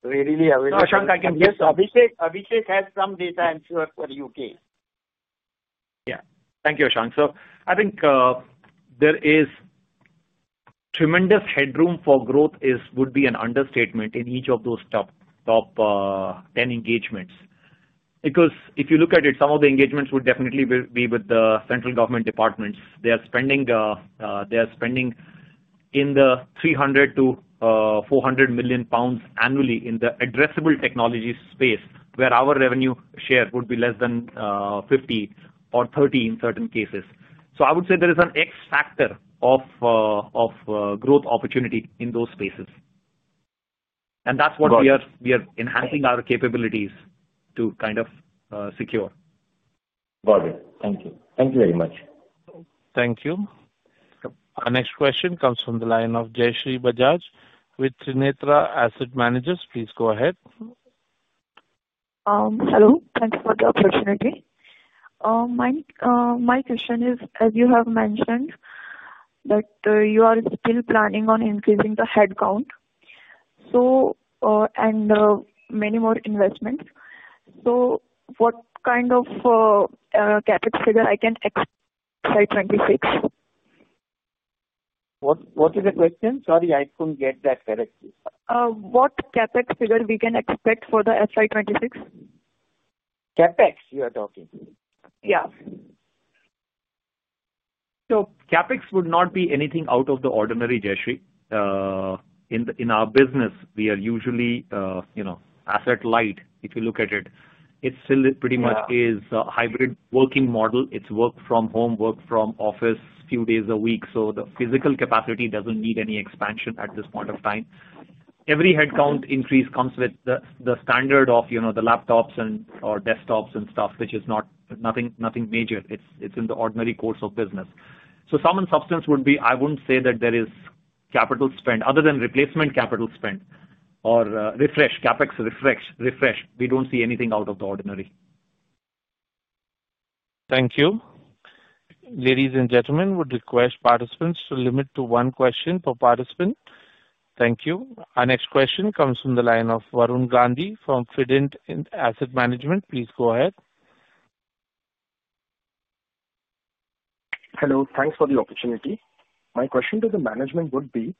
S3: readily available. Abhishek, I can give you. Abhishek has some data, I'm sure, for the UK.
S4: Yeah. Thank you, Ashank. I think there is tremendous headroom for growth. It would be an understatement in each of those top 10 engagements. If you look at it, some of the engagements would definitely be with the central government departments. They are spending in the £300 to £400 million annually in the addressable technology space where our revenue share would be less than £50 million or £30 million in certain cases. I would say there is an X factor of growth opportunity in those spaces. That's what we are enhancing our capabilities to kind of secure.
S13: Got it. Thank you. Thank you very much.
S1: Thank you. Our next question comes from the line of Jayshree Bajaj with Trinetra Asset Managers. Please go ahead.
S14: Hello. Thanks for the opportunity. My question is, as you have mentioned, that you are still planning on increasing the headcount and many more investments. What kind of CapEx figure can I expect from 2026? What is the question? Sorry, I couldn't get that correctly. What CapEx figure can we expect for the FY 2026? CapEx, you are talking? Yeah.
S4: CapEx would not be anything out of the ordinary, Jayshree. In our business, we are usually asset light. If you look at it, it still pretty much is a hybrid working model. It's work from home, work from office a few days a week. The physical capacity doesn't need any expansion at this point of time. Every headcount increase comes with the standard of the laptops and desktops and stuff, which is nothing major. It's in the ordinary course of business. Sum and substance would be, I wouldn't say that there is capital spend other than replacement capital spend or refresh, CapEx refresh, refresh. We don't see anything out of the ordinary.
S1: Thank you. Ladies and gentlemen, I would request participants to limit to one question per participant. Thank you. Our next question comes from the line of Varun Gandhi from Fident Asset Management. Please go ahead.
S15: Hello. Thanks for the opportunity. My question to the management would be,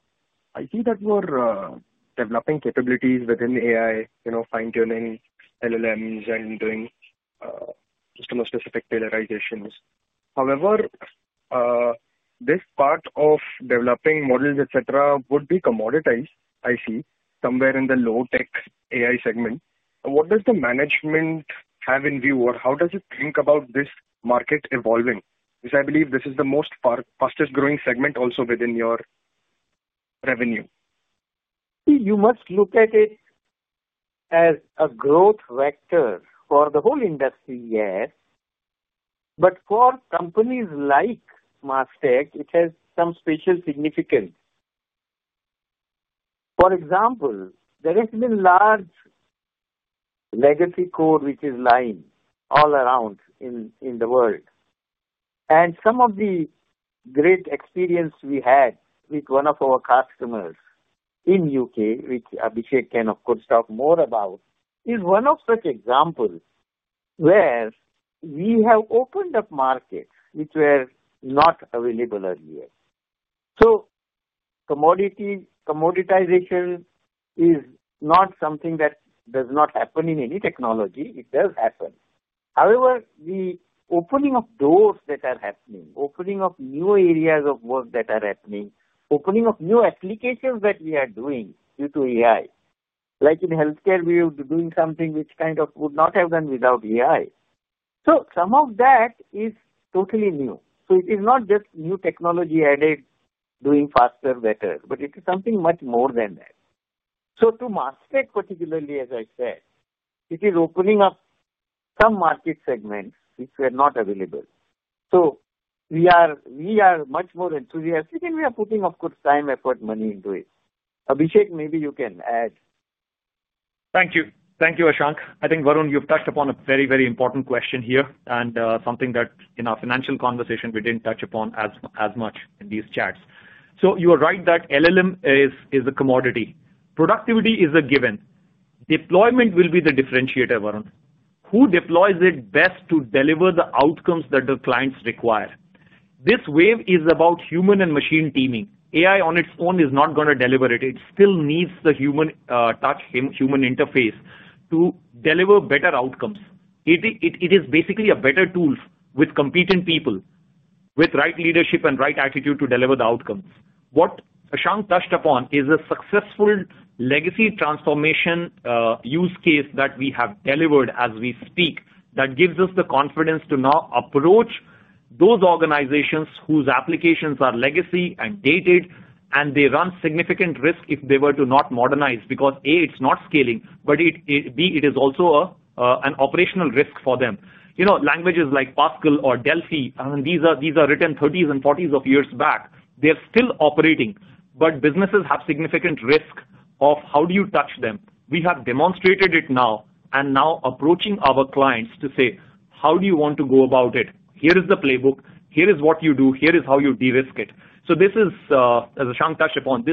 S15: I see that we're developing capabilities within AI, you know, fine-tuning LLMs and doing customer-specific tailorizations. However, this part of developing models, etc., would be commoditized, I see, somewhere in the low-tech AI segment. What does the management have in view or how does it think about this market evolving? I believe this is the most fastest growing segment also within your revenue.
S3: You must look at it as a growth vector for the whole industry, yes. For companies like Mastek, it has some special significance. For example, there has been a large legacy core, which is Line, all around in the world. Some of the great experience we had with one of our customers in the UK, which Abhishek can, of course, talk more about, is one of such examples where we have opened up markets which were not available earlier. Commoditization is not something that does not happen in any technology. It does happen. However, the opening of doors that are happening, opening of new areas of work that are happening, opening of new applications that we are doing due to AI. Like in healthcare, we are doing something which kind of would not have been done without AI. Some of that is totally new. It is not just new technology added, doing faster, better, but it is something much more than that. To Mastek, particularly, as I said, it is opening up some market segments which were not available. We are much more enthusiastic and we are putting, of course, time, effort, money into it. Abhishek, maybe you can add.
S4: Thank you. Thank you, Ashank. I think, Varun, you've touched upon a very, very important question here and something that in our financial conversation we didn't touch upon as much in these chats. You are right that LLM is a commodity. Productivity is a given. Deployment will be the differentiator, Varun. Who deploys it best to deliver the outcomes that the clients require? This wave is about human and machine teaming. AI on its own is not going to deliver it. It still needs the human touch, human interface to deliver better outcomes. It is basically a better tool with competent people, with the right leadership and the right attitude to deliver the outcomes. What Ashank touched upon is a successful legacy transformation use case that we have delivered as we speak that gives us the confidence to now approach those organizations whose applications are legacy and dated, and they run significant risk if they were to not modernize because A, it's not scaling, but B, it is also an operational risk for them. Languages like Pascal or Delphi, these are written 30 or 40 years back. They're still operating, but businesses have significant risk of how do you touch them. We have demonstrated it now and now approaching our clients to say, how do you want to go about it? Here is the playbook. Here is what you do. Here is how you de-risk it. This is, as Ashank touched upon,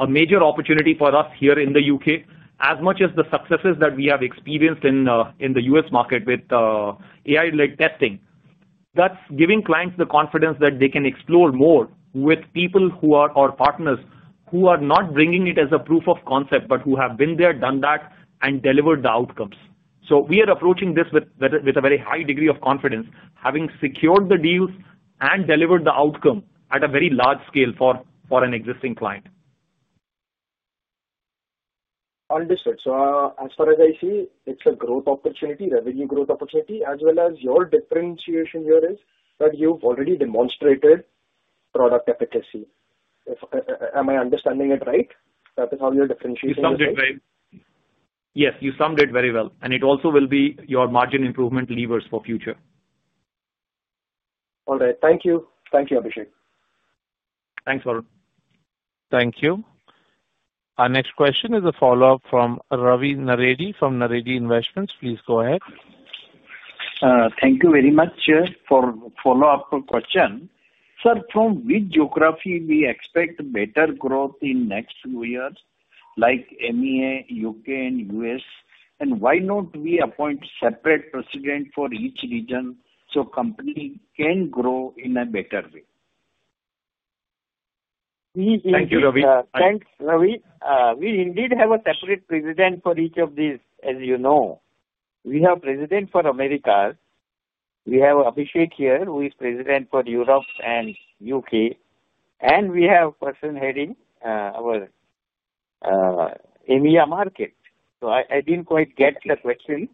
S4: a major opportunity. Here in the UK, as much as the successes that we have experienced in the US market with AI-led testing, that's giving clients the confidence that they can explore more with people who are our partners who are not bringing it as a proof of concept, but who have been there, done that, and delivered the outcomes. We are approaching this with a very high degree of confidence, having secured the deals and delivered the outcome at a very large scale for an existing client.
S15: Understood. As far as I see, it's a growth opportunity, revenue growth opportunity, as well as your differentiation here is that you've already demonstrated product efficacy. Am I understanding it right? That is how your differentiation is?
S4: Yes, you summed it very well. It also will be your margin improvement levers for future.
S15: All right. Thank you. Thank you, Abhishek.
S4: Thanks, Varun.
S1: Thank you. Our next question is a follow-up from Ravi Naredi from Naredi Investments. Please go ahead.
S12: Thank you very much, sir, for the follow-up question. Sir, from which geography do you expect better growth in the next two years, like EMEA, UK, and U.S? Why not we appoint a separate President for each region so the company can grow in a better way?
S3: Thanks, Ravi. We indeed have a separate President for each of these, as you know. We have a President for America. We have Abhishek here, who is President for Europe and the UK. We have a person heading our EMEA market. I didn't quite get the question.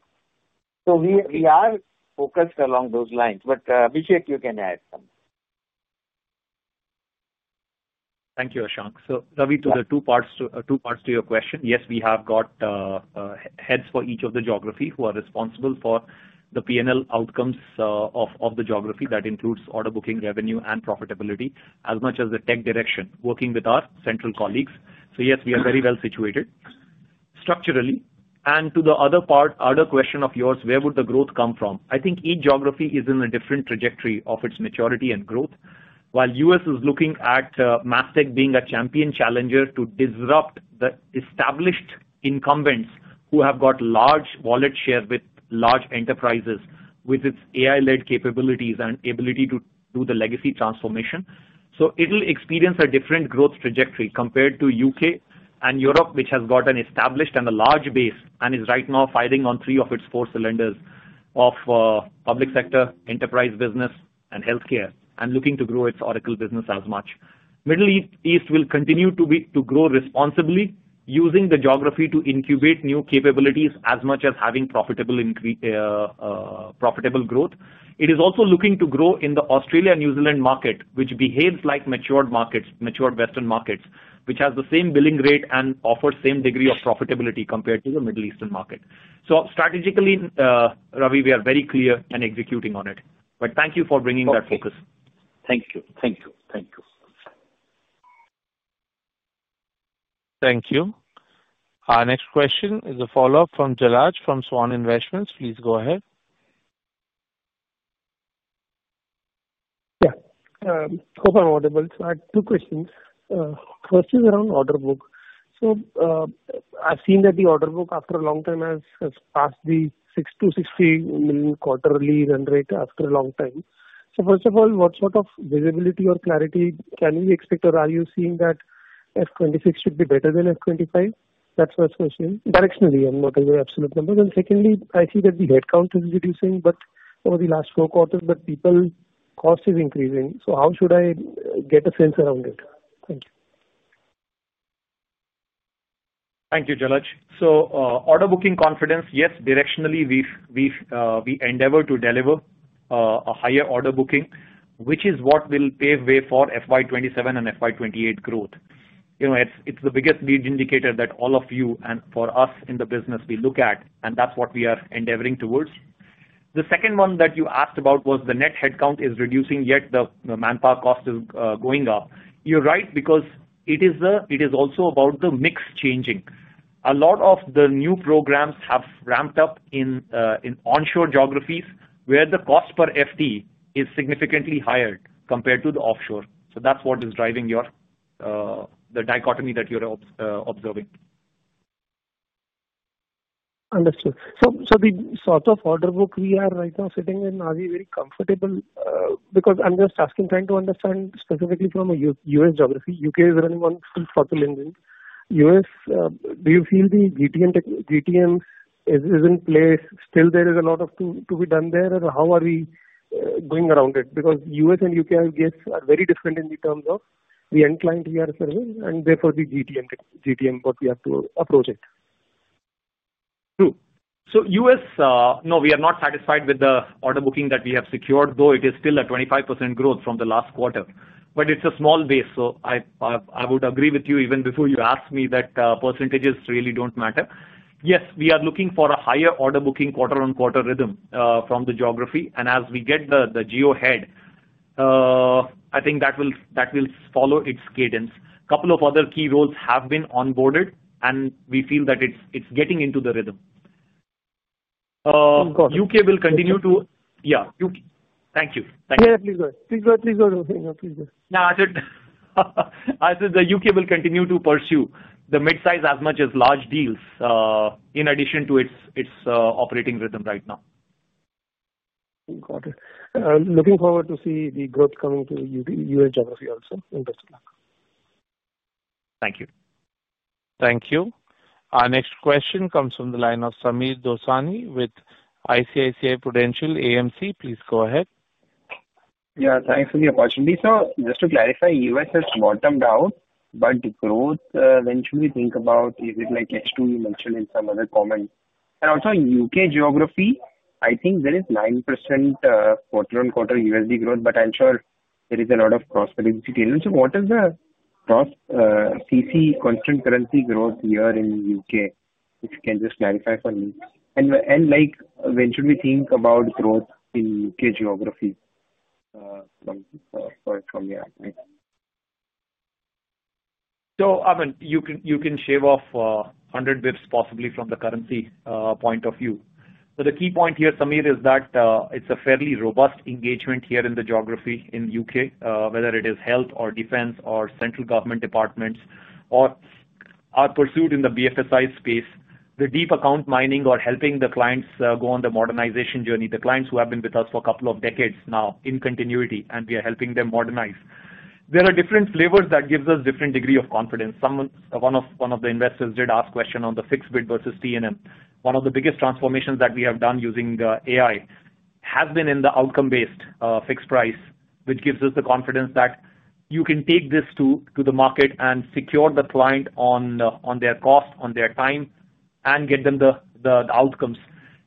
S3: We are focused along those lines. Abhishek, you can add some.
S4: Thank you, Ashank. Ravi, to the two parts to your question, yes, we have got heads for each of the geographies who are responsible for the P&L outcomes of the geography. That includes order booking, revenue, and profitability, as much as the tech direction, working with our central colleagues. Yes, we are very well situated structurally. To the other part, another question of yours, where would the growth come from? I think each geography is in a different trajectory of its maturity and growth. While the U.S. is looking at Mastek being a champion challenger to disrupt the established incumbents who have got large wallet shares with large enterprises, with its AI-led capabilities and ability to do the legacy transformation, it will experience a different growth trajectory compared to the UK and Europe, which has got an established and a large base and is right now fighting on three of its four cylinders of public sector, enterprise business, and healthcare, and looking to grow its Oracle business as much. Middle East will continue to grow responsibly, using the geography to incubate new capabilities, as much as having profitable growth. It is also looking to grow in the Australia and New Zealand market, which behaves like matured markets, matured Western markets, which has the same billing rate and offers the same degree of profitability compared to the Middle Eastern market. Strategically, Ravi, we are very clear and executing on it. Thank you for bringing that focus.
S12: Thank you.
S1: Thank you. Our next question is a follow-up from Jalaj from Svan Investments. Please go ahead.
S5: Hello everyone. I have two questions. First is around order book. I've seen that the order book, after a long time, has passed the $660 million quarterly run rate after a long time. What sort of visibility or clarity can we expect, or are you seeing that FY26 should be better than FY25? That's the first question. Directionally, I'm not going to give absolute numbers. Secondly, I see that the headcount is reducing, but over the last four quarters, the people cost is increasing. How should I get a sense around it?
S4: Thank you, Jalaj. Order booking confidence, yes, directionally, we endeavor to deliver a higher order booking, which is what will pave way for FY27 and FY28 growth. It's the biggest lead indicator that all of you and for us in the business, we look at, and that's what we are endeavoring towards. The second one that you asked about was the net headcount is reducing, yet the manpower cost is going up. You're right because it is also about the mix changing. A lot of the new programs have ramped up in onshore geographies where the cost per FTE is significantly higher compared to the offshore. That's what is driving the dichotomy that you're observing.
S5: Understood. The sort of order book we are right now sitting in, are we very comfortable? I'm just asking, trying to understand specifically from a U.S. geography. The UK is running one full circle in. U.S., do you feel the GTM is in place? Still, there is a lot to be done there. How are we going around it? U.S. and UK, I guess, are very different in terms of the end client we are serving, and therefore, the GTM, what we have to approach it.
S4: True. U.S., no, we are not satisfied with the order booking that we have secured, though it is still a 25% growth from the last quarter. It is a small base. I would agree with you even before you asked me that %s really do not matter. Yes, we are looking for a higher order booking quarter-on-quarter rhythm from the geography. As we get the geo head, I think that will follow its cadence. A couple of other key roles have been onboarded, and we feel that it is getting into the rhythm. UK will continue to, thank you.
S5: Please go. Please go. Please go.
S4: No, I said the UK will continue to pursue the mid-size as much as large deals, in addition to its operating rhythm right now.
S5: Got it. Looking forward to seeing the growth coming to the US geography also.
S4: Thank you.
S2: Thank you. Our next question comes from the line of Sameer Dosan with ICICI Prudential AMC. Please go ahead.
S16: Yeah, thanks for the opportunity. Just to clarify, US has not turned out, but growth, when you think about, is it like H2 you mentioned in some other comments? In UK geography, I think there is 9% quarter-on-quarter USD growth, but I'm sure there is a lot of cross-currency change. What is the cross-CC constant currency growth here in the UK? If you can just clarify for me. When should we think about growth in the UK geography?
S4: You can shave off 100 basis points possibly from the currency point of view. The key point here, Samir, is that it's a fairly robust engagement here in the geography in the UK, whether it is health or defense or central government departments or our pursuit in the BFSI space, the deep account mining or helping the clients go on the modernization journey, the clients who have been with us for a couple of decades now in continuity, and we are helping them modernize. There are different flavors that give us a different degree of confidence. One of the investors did ask a question on the fixed bid versus TNM. One of the biggest transformations that we have done using the AI has been in the outcome-based fixed price, which gives us the confidence that you can take this to the market and secure the client on their cost, on their time, and get them the outcomes.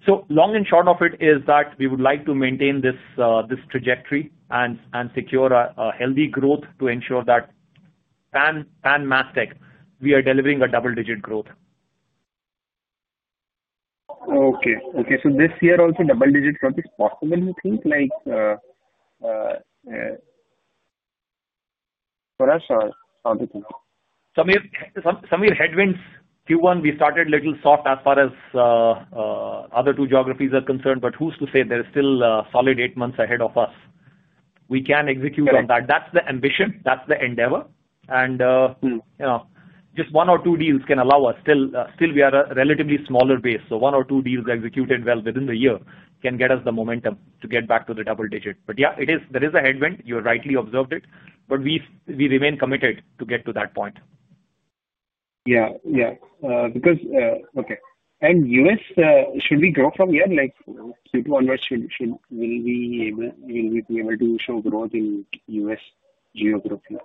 S4: The long and short of it is that we would like to maintain this trajectory and secure a healthy growth to ensure that PanMastek, we are delivering a double-digit growth.
S16: Okay. This year also, double-digit growth is possible, you think?
S4: Sameer Headwinds Q1, we started a little soft as far as other two geographies are concerned, but who's to say there's still a solid eight months ahead of us? We can execute on that. That's the ambition. That's the endeavor. You know just one or two deals can allow us. Still, we are a relatively smaller base. One or two deals executed well within the year can get us the momentum to get back to the double digit. There is a headwind. You rightly observed it. We remain committed to get to that point.
S16: Yeah, because, okay. In the U.S., should we grow from here? Like onwards, should we be able to show growth in the U.S. geography?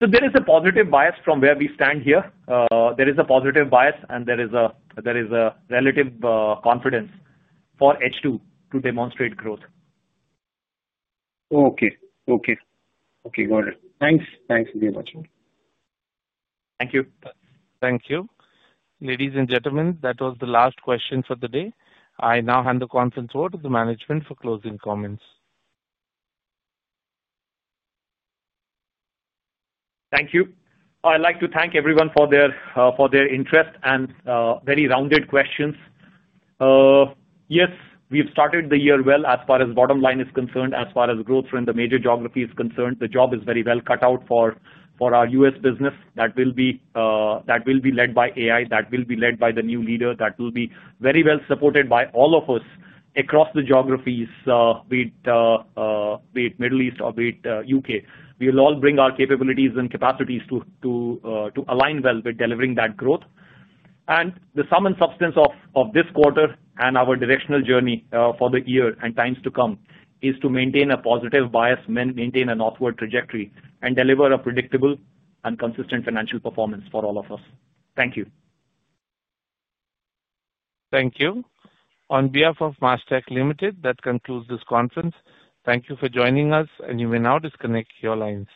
S4: There is a positive bias from where we stand here. There is a positive bias, and there is a relative confidence for H2 to demonstrate growth.
S16: Okay. Got it. Thanks. Thanks very much.
S4: Thank you.
S1: Thank you. Ladies and gentlemen, that was the last question for the day. I now hand the conference over to the management for closing comments.
S4: Thank you. I'd like to thank everyone for their interest and very rounded questions. Yes, we've started the year well as far as bottom line is concerned, as far as growth for the major geographies is concerned. The job is very well cut out for our U.S. business. That will be led by AI. That will be led by the new leader. That will be very well supported by all of us across the geographies, be it Middle East or be it UK. We will all bring our capabilities and capacities to align well with delivering that growth. The sum and substance of this quarter and our directional journey for the year and times to come is to maintain a positive bias, maintain a northward trajectory, and deliver a predictable and consistent financial performance for all of us. Thank you.
S1: Thank you. On behalf of Mastek Limited, that concludes this conference. Thank you for joining us, and you may now disconnect your lines.